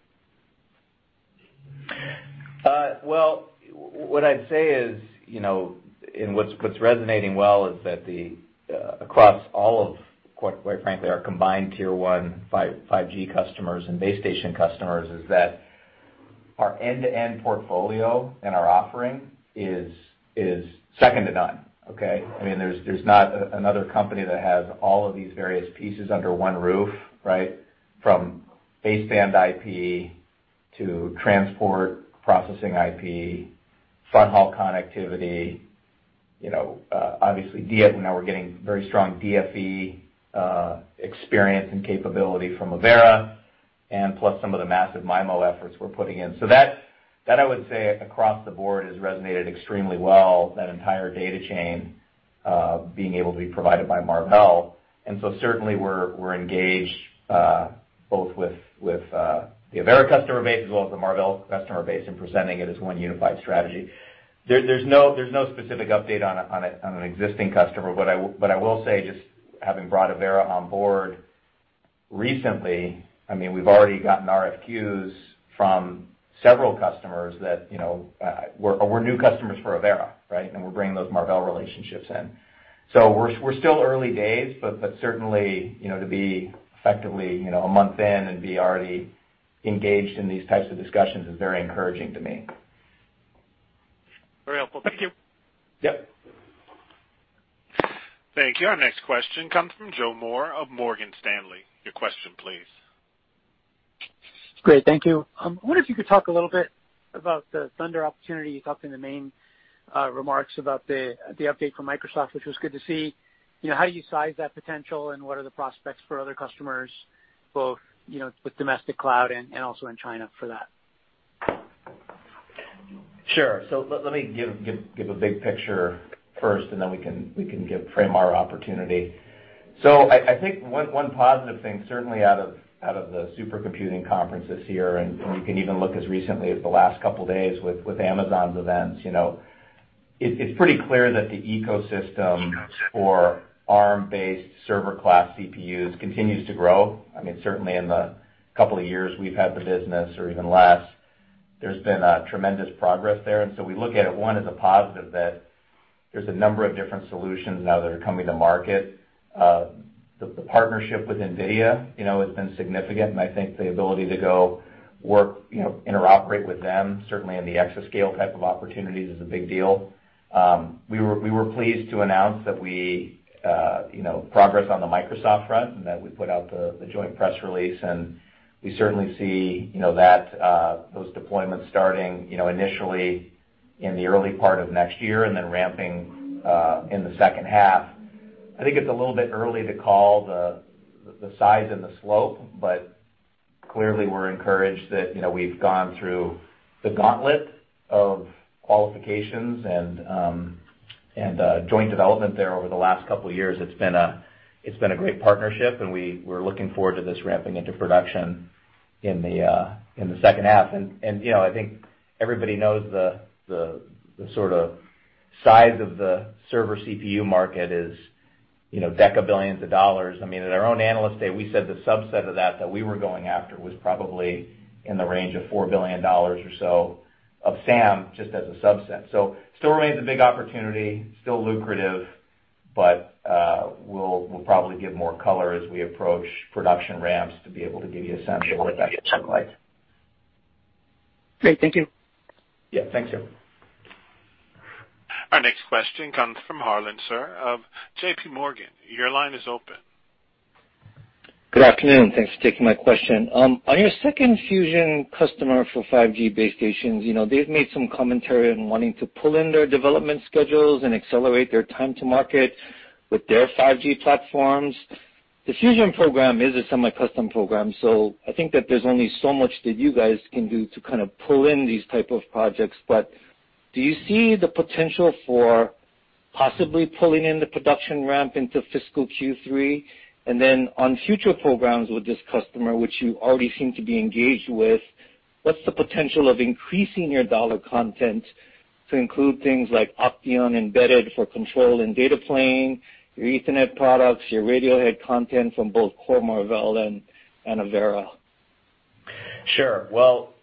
Well, what I'd say is, and what's resonating well is that across all of, quite frankly, our combined Tier 1 5G customers and base station customers, is that our end-to-end portfolio and our offering is second to none. Okay? There's not another company that has all of these various pieces under one roof, right? From baseband IP to transport, processing IP, fronthaul connectivity, obviously DFE. We're getting very strong DFE experience and capability from Avera, and plus some of the massive MIMO efforts we're putting in. That, I would say, across the board, has resonated extremely well, that entire data chain being able to be provided by Marvell. Certainly we're engaged both with the Avera customer base as well as the Marvell customer base and presenting it as one unified strategy. There's no specific update on an existing customer. I will say, just having brought Avera on board recently, we've already gotten RFQs from several customers that were new customers for Avera. We're bringing those Marvell relationships in. We're still early days, but certainly, to be effectively a month in and be already engaged in these types of discussions is very encouraging to me. Very helpful. Thank you. Yep. Thank you. Our next question comes from Joe Moore of Morgan Stanley. Your question, please. Great. Thank you. I wonder if you could talk a little bit about the Thunder opportunity. You talked in the main remarks about the update from Microsoft, which was good to see. How do you size that potential, and what are the prospects for other customers, both with domestic cloud and also in China for that? Sure. Let me give a big picture first, and then we can frame our opportunity. I think one positive thing, certainly out of the Supercomputing Conference this year, and you can even look as recently as the last couple of days with Amazon's events. It's pretty clear that the ecosystem for Arm-based server class CPUs continues to grow. Certainly in the couple of years we've had the business, or even less, there's been tremendous progress there. We look at it, one, as a positive that there's a number of different solutions now that are coming to market. The partnership with NVIDIA has been significant, and I think the ability to go work, interoperate with them, certainly in the exascale type of opportunities is a big deal. We were pleased to announce progress on the Microsoft front, and that we put out the joint press release. We certainly see those deployments starting initially in the early part of next year and then ramping in the second half. I think it's a little bit early to call the size and the slope. Clearly we're encouraged that we've gone through the gauntlet of qualifications and joint development there over the last couple of years. It's been a great partnership. We're looking forward to this ramping into production in the second half. I think everybody knows the sort of size of the server CPU market is deca-billions of dollars. At our own Analyst Day, we said the subset of that we were going after was probably in the range of $4 billion or so of SAM, just as a subset. Still remains a big opportunity, still lucrative, but we'll probably give more color as we approach production ramps to be able to give you a sense of what that could look like. Great. Thank you. Yeah. Thanks, Joe. Our next question comes from Harlan Sur of JPMorgan. Your line is open. Good afternoon. Thanks for taking my question. On your second Fusion customer for 5G base stations, they've made some commentary on wanting to pull in their development schedules and accelerate their time to market with their 5G platforms. The Fusion program is a semi-custom program. I think that there's only so much that you guys can do to kind of pull in these type of projects. Do you see the potential for possibly pulling in the production ramp into fiscal Q3? On future programs with this customer, which you already seem to be engaged with, what's the potential of increasing your dollar content to include things like OCTEON embedded for control and data plane, your Ethernet products, your radio head content from both core Marvell and Avera? Sure. Well,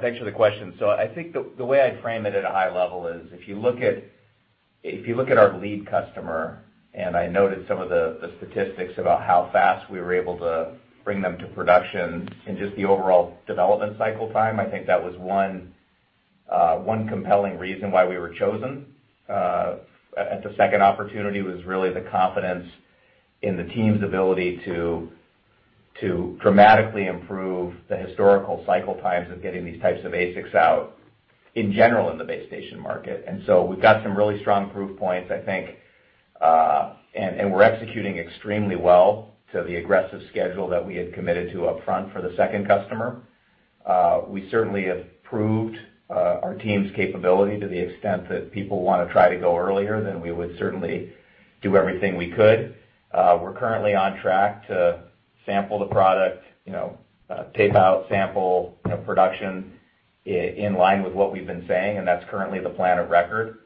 thanks for the question. I think the way I'd frame it at a high level is, if you look at our lead customer, and I noted some of the statistics about how fast we were able to bring them to production in just the overall development cycle time, I think that was one compelling reason why we were chosen. The second opportunity was really the confidence in the team's ability to dramatically improve the historical cycle times of getting these types of ASICs out in general in the base station market. We've got some really strong proof points, I think, and we're executing extremely well to the aggressive schedule that we had committed to up front for the second customer. We certainly have proved our team's capability to the extent that people want to try to go earlier, then we would certainly do everything we could. We're currently on track to sample the product, tape out sample production in line with what we've been saying, and that's currently the plan of record.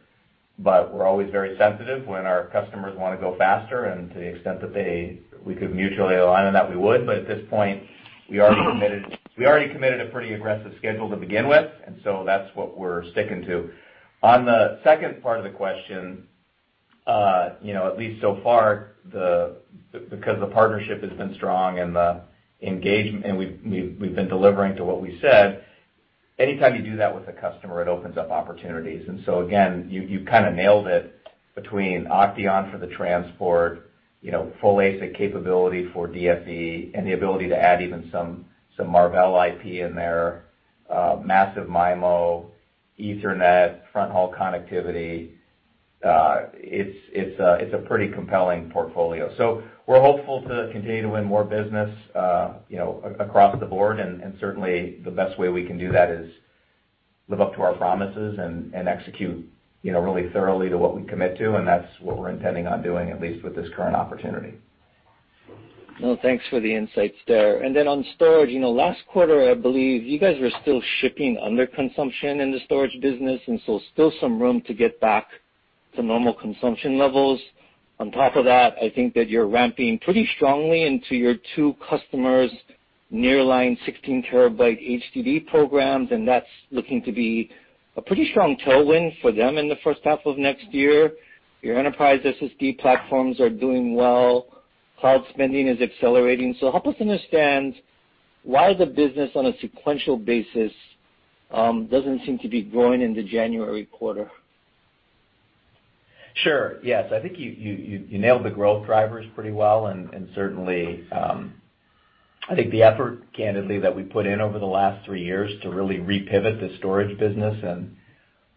We're always very sensitive when our customers want to go faster, and to the extent that we could mutually align on that, we would. At this point, we already committed a pretty aggressive schedule to begin with, and so that's what we're sticking to. On the second part of the question, at least so far, because the partnership has been strong and we've been delivering to what we said, anytime you do that with a customer, it opens up opportunities. Again, you kind of nailed it between OCTEON for the transport, full ASIC capability for DFE, and the ability to add even some Marvell IP in there, massive MIMO, Ethernet, fronthaul connectivity. It's a pretty compelling portfolio. We're hopeful to continue to win more business across the board, and certainly the best way we can do that is live up to our promises and execute really thoroughly to what we commit to, and that's what we're intending on doing, at least with this current opportunity. Well, thanks for the insights there. On storage, last quarter I believe you guys were still shipping under consumption in the storage business, still some room to get back to normal consumption levels. On top of that, I think that you're ramping pretty strongly into your two customers' nearline 16 TB HDD programs, and that's looking to be a pretty strong tailwind for them in the first half of next year. Your enterprise SSD platforms are doing well. Cloud spending is accelerating. Help us understand why the business on a sequential basis doesn't seem to be growing in the January quarter. Sure. Yes. I think you nailed the growth drivers pretty well, and certainly, I think the effort, candidly, that we put in over the last three years to really repivot the storage business and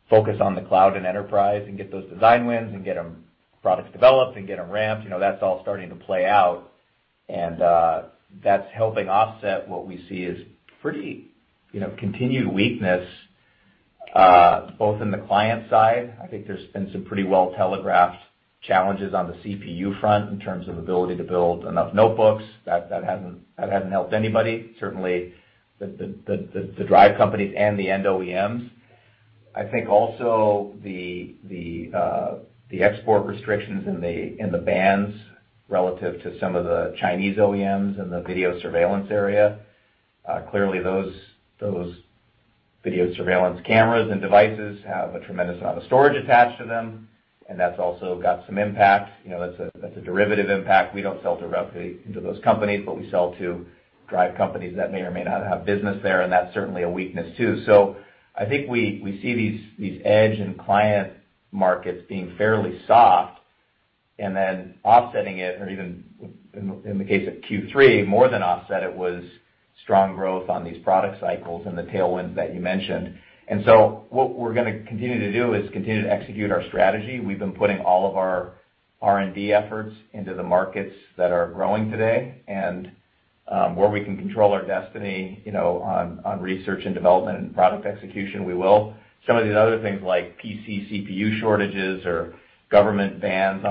focus on the cloud and enterprise and get those design wins and get products developed and get them ramped, that's all starting to play out. That's helping offset what we see as pretty continued weakness, both in the client side, I think there's been some pretty well-telegraphed challenges on the CPU front in terms of ability to build enough notebooks. That hasn't helped anybody, certainly the drive companies and the end OEMs. I think also the export restrictions and the bans relative to some of the Chinese OEMs in the video surveillance area. Clearly, those video surveillance cameras and devices have a tremendous amount of storage attached to them, and that's also got some impact. That's a derivative impact. We don't sell directly into those companies, but we sell to drive companies that may or may not have business there, and that's certainly a weakness too. I think we see these edge and client markets being fairly soft and then offsetting it, or even in the case of Q3, more than offset it, was strong growth on these product cycles and the tailwinds that you mentioned. What we're going to continue to do is continue to execute our strategy. We've been putting all of our R&D efforts into the markets that are growing today, and where we can control our destiny on research and development and product execution, we will. Some of these other things like PC CPU shortages or government bans,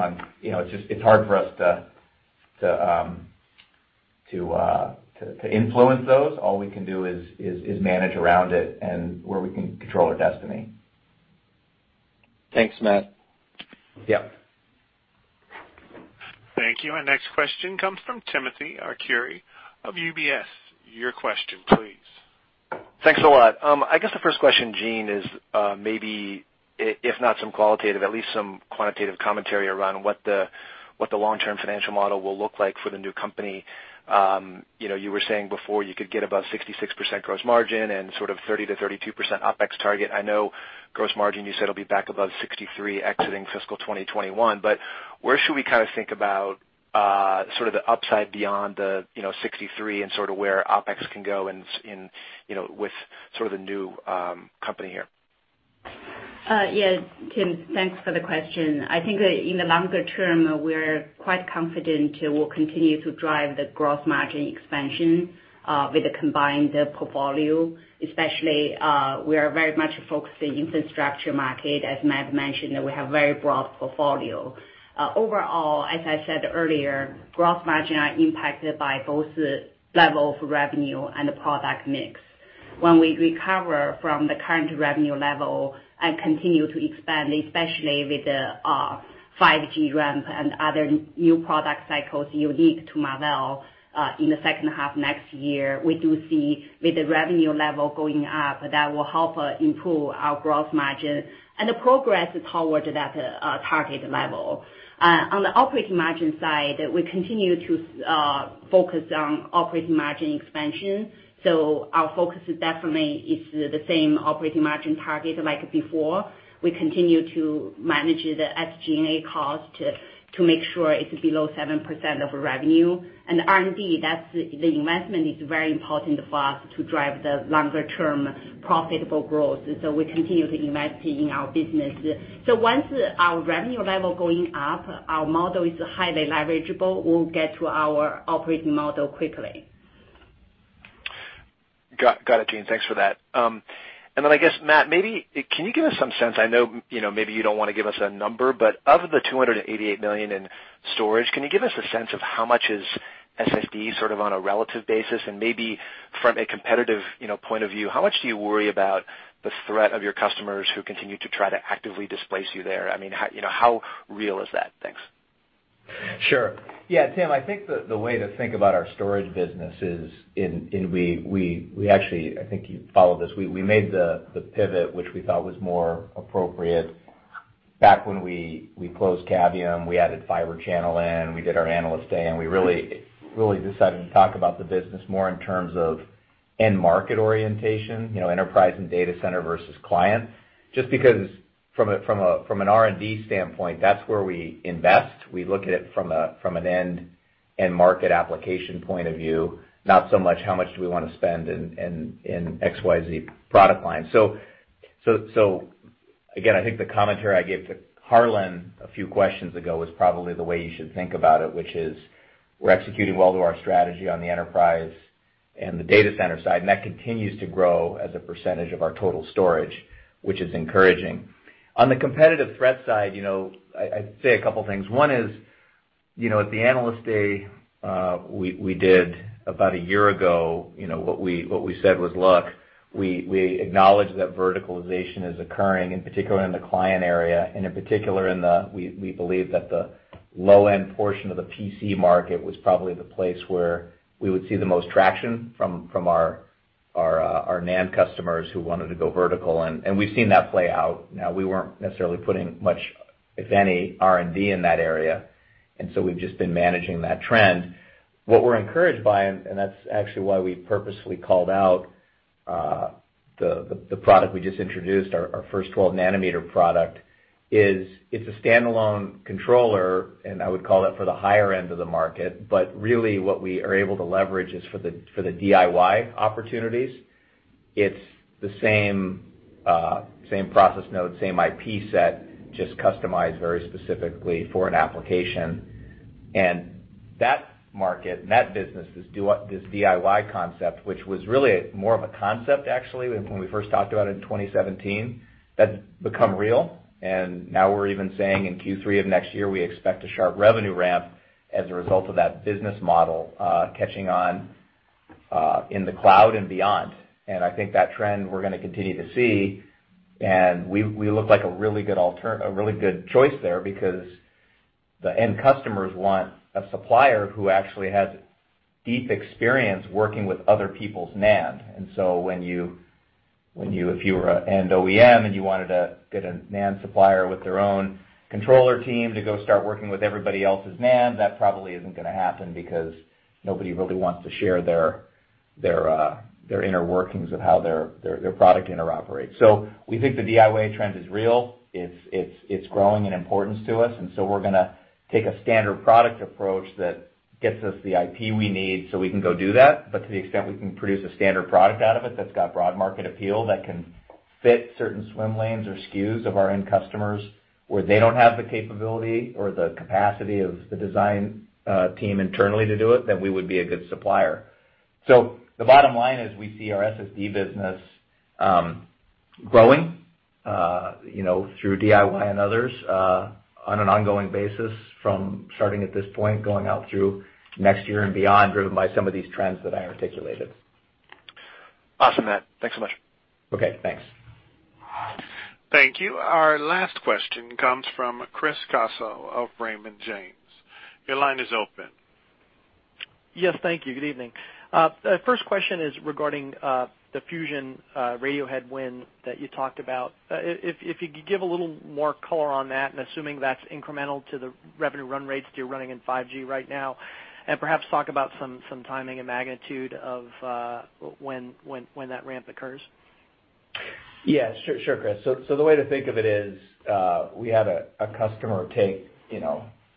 it's hard for us to influence those. All we can do is manage around it and where we can control our destiny. Thanks, Matt. Yep. Thank you. Our next question comes from Timothy Arcuri of UBS. Your question, please. Thanks a lot. I guess the first question, Jean, is maybe if not some qualitative, at least some quantitative commentary around what the long-term financial model will look like for the new company. You were saying before you could get above 66% gross margin and sort of 30%-32% OpEx target. I know gross margin you said will be back above 63% exiting fiscal 2021. Where should we kind of think about sort of the upside beyond the 63% and sort of where OpEx can go with sort of the new company here? Yeah, Tim, thanks for the question. I think that in the longer term, we're quite confident we'll continue to drive the gross margin expansion with the combined portfolio. Especially, we are very much focused in infrastructure market. As Matt mentioned, we have very broad portfolio. Overall, as I said earlier, gross margin are impacted by both the level of revenue and the product mix. When we recover from the current revenue level and continue to expand, especially with the 5G ramp and other new product cycles unique to Marvell in the second half next year, we do see, with the revenue level going up, that will help improve our gross margin and the progress toward that target level. On the operating margin side, we continue to focus on operating margin expansion. Our focus definitely is the same operating margin target like before. We continue to manage the SG&A cost to make sure it's below 7% of revenue, and R&D, the investment is very important for us to drive the longer-term profitable growth, so we continue to invest in our business. Once our revenue level going up, our model is highly leverageable, we'll get to our operating model quickly. Got it, Jean. Thanks for that. Then, I guess, Matt, can you give us some sense, I know maybe you don't want to give us a number, but of the $288 million in storage, can you give us a sense of how much is SSD sort of on a relative basis and maybe from a competitive point of view, how much do you worry about the threat of your customers who continue to try to actively displace you there? How real is that? Thanks. Sure. Yeah, Tim, I think the way to think about our storage business is, and I think you followed this, we made the pivot, which we thought was more appropriate back when we closed Cavium, we added Fibre Channel in, we did our Analyst Day, we really decided to talk about the business more in terms of end market orientation, enterprise and data center versus client. Just because from an R&D standpoint, that's where we invest. We look at it from an end market application point of view, not so much how much do we want to spend in XYZ product line. Again, I think the commentary I gave to Harlan a few questions ago is probably the way you should think about it, which is we're executing well to our strategy on the enterprise and the data center side, and that continues to grow as a percentage of our total storage, which is encouraging. On the competitive threat side, I'd say a couple things. One is, at the Analyst Day we did about a year ago, what we said was, look, we acknowledge that verticalization is occurring, in particular in the client area and in particular, we believe that the low-end portion of the PC market was probably the place where we would see the most traction from our NAND customers who wanted to go vertical. We've seen that play out. We weren't necessarily putting much, if any, R&D in that area, and so we've just been managing that trend. What we're encouraged by, and that's actually why we purposefully called out the product we just introduced, our first 12-nm product, is it's a standalone controller, and I would call that for the higher end of the market, but really what we are able to leverage is for the DIY opportunities. It's the same process node, same IP set, just customized very specifically for an application. That market and that business, this DIY concept, which was really more of a concept actually, when we first talked about it in 2017, that's become real. Now we're even saying in Q3 of next year, we expect a sharp revenue ramp as a result of that business model catching on in the cloud and beyond. I think that trend we're going to continue to see, and we look like a really good choice there because the end customers want a supplier who actually has deep experience working with other people's NAND. If you were an OEM and you wanted to get a NAND supplier with their own controller team to go start working with everybody else's NAND, that probably isn't going to happen because nobody really wants to share their inner workings of how their product interoperates. We think the DIY trend is real. It's growing in importance to us, and so we're going to take a standard product approach that gets us the IP we need so we can go do that. To the extent we can produce a standard product out of it that's got broad market appeal, that can fit certain swim lanes or SKUs of our end customers where they don't have the capability or the capacity of the design team internally to do it, then we would be a good supplier. The bottom line is we see our SSD business growing through DIY and others on an ongoing basis from starting at this point, going out through next year and beyond, driven by some of these trends that I articulated. Awesome, Matt. Thanks so much. Okay, thanks. Thank you. Our last question comes from Chris Caso of Raymond James. Your line is open. Yes, thank you. Good evening. First question is regarding the Fusion radio head win that you talked about. Assuming that's incremental to the revenue run rates that you're running in 5G right now, perhaps talk about some timing and magnitude of when that ramp occurs. Yeah, sure, Chris. The way to think of it is, we had a customer take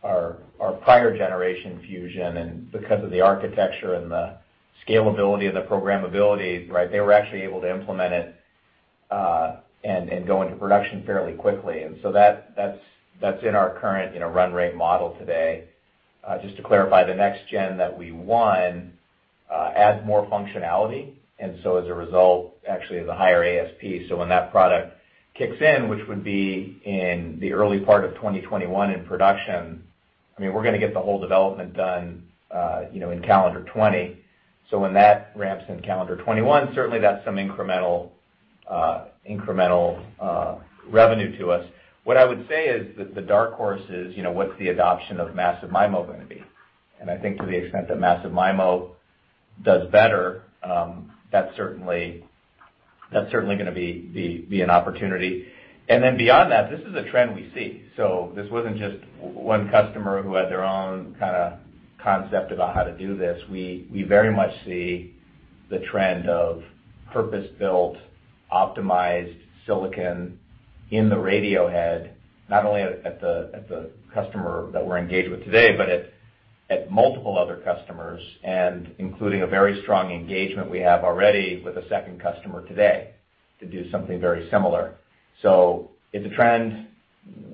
our prior generation Fusion, and because of the architecture and the scalability and the programmability, they were actually able to implement it and go into production fairly quickly. That's in our current run rate model today. Just to clarify, the next gen that we won adds more functionality, As a result, actually has a higher ASP. When that product kicks in, which would be in the early part of 2021 in production, we're going to get the whole development done in calendar 2020. When that ramps in calendar 2021, certainly that's some incremental revenue to us. What I would say is that the dark horse is, what's the adoption of Massive MIMO going to be? I think to the extent that massive MIMO does better, that's certainly going to be an opportunity. Beyond that, this is a trend we see. This wasn't just one customer who had their own kind of concept about how to do this. We very much see the trend of purpose-built, optimized silicon in the radio head, not only at the customer that we're engaged with today, but at multiple other customers, including a very strong engagement we have already with a second customer today to do something very similar. It's a trend.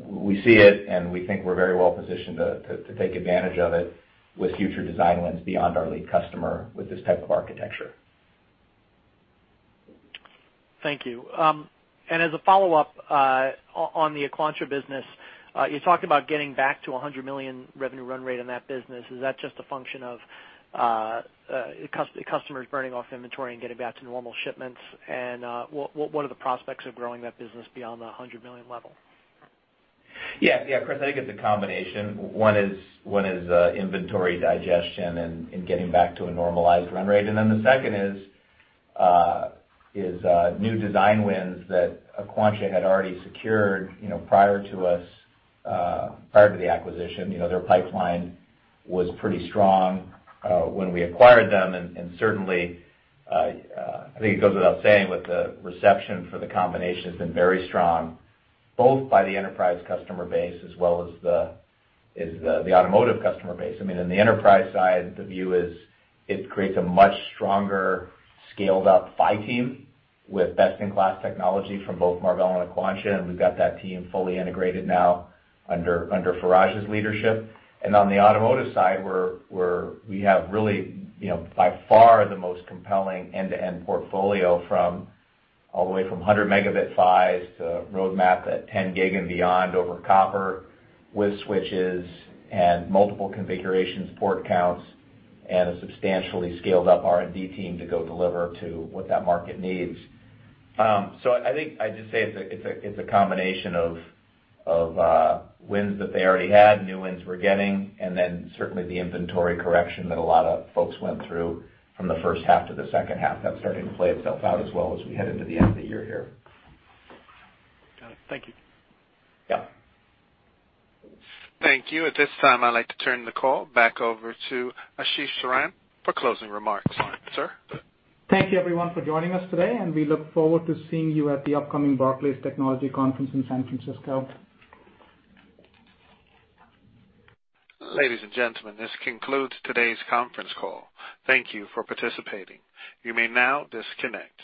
We see it, and we think we're very well positioned to take advantage of it with future design wins beyond our lead customer with this type of architecture. Thank you. As a follow-up, on the Aquantia business, you talked about getting back to $100 million revenue run rate in that business. Is that just a function of customers burning off inventory and getting back to normal shipments? What are the prospects of growing that business beyond the $100 million level? Yeah, Chris, I think it's a combination. One is inventory digestion and getting back to a normalized run rate. The second is new design wins that Aquantia had already secured prior to the acquisition. Their pipeline was pretty strong when we acquired them, certainly, I think it goes without saying, with the reception for the combination has been very strong, both by the enterprise customer base as well as the automotive customer base. In the enterprise side, the view is it creates a much stronger, scaled-up PHY team with best-in-class technology from both Marvell and Aquantia. We've got that team fully integrated now under Faraj's leadership. On the automotive side, we have really by far the most compelling end-to-end portfolio all the way from 100 Mb PHYs to roadmap at 10 gig and beyond over copper with switches and multiple configurations, port counts, and a substantially scaled-up R&D team to go deliver to what that market needs. I think I'd just say it's a combination of wins that they already had, new wins we're getting, and then certainly the inventory correction that a lot of folks went through from the first half to the second half. That's starting to play itself out as well as we head into the end of the year here. Got it. Thank you. Yeah. Thank you. At this time, I'd like to turn the call back over to Ashish Saran for closing remarks. Sir? Thank you everyone for joining us today, and we look forward to seeing you at the upcoming Barclays Technology Conference in San Francisco. Ladies and gentlemen, this concludes today's conference call. Thank you for participating. You may now disconnect.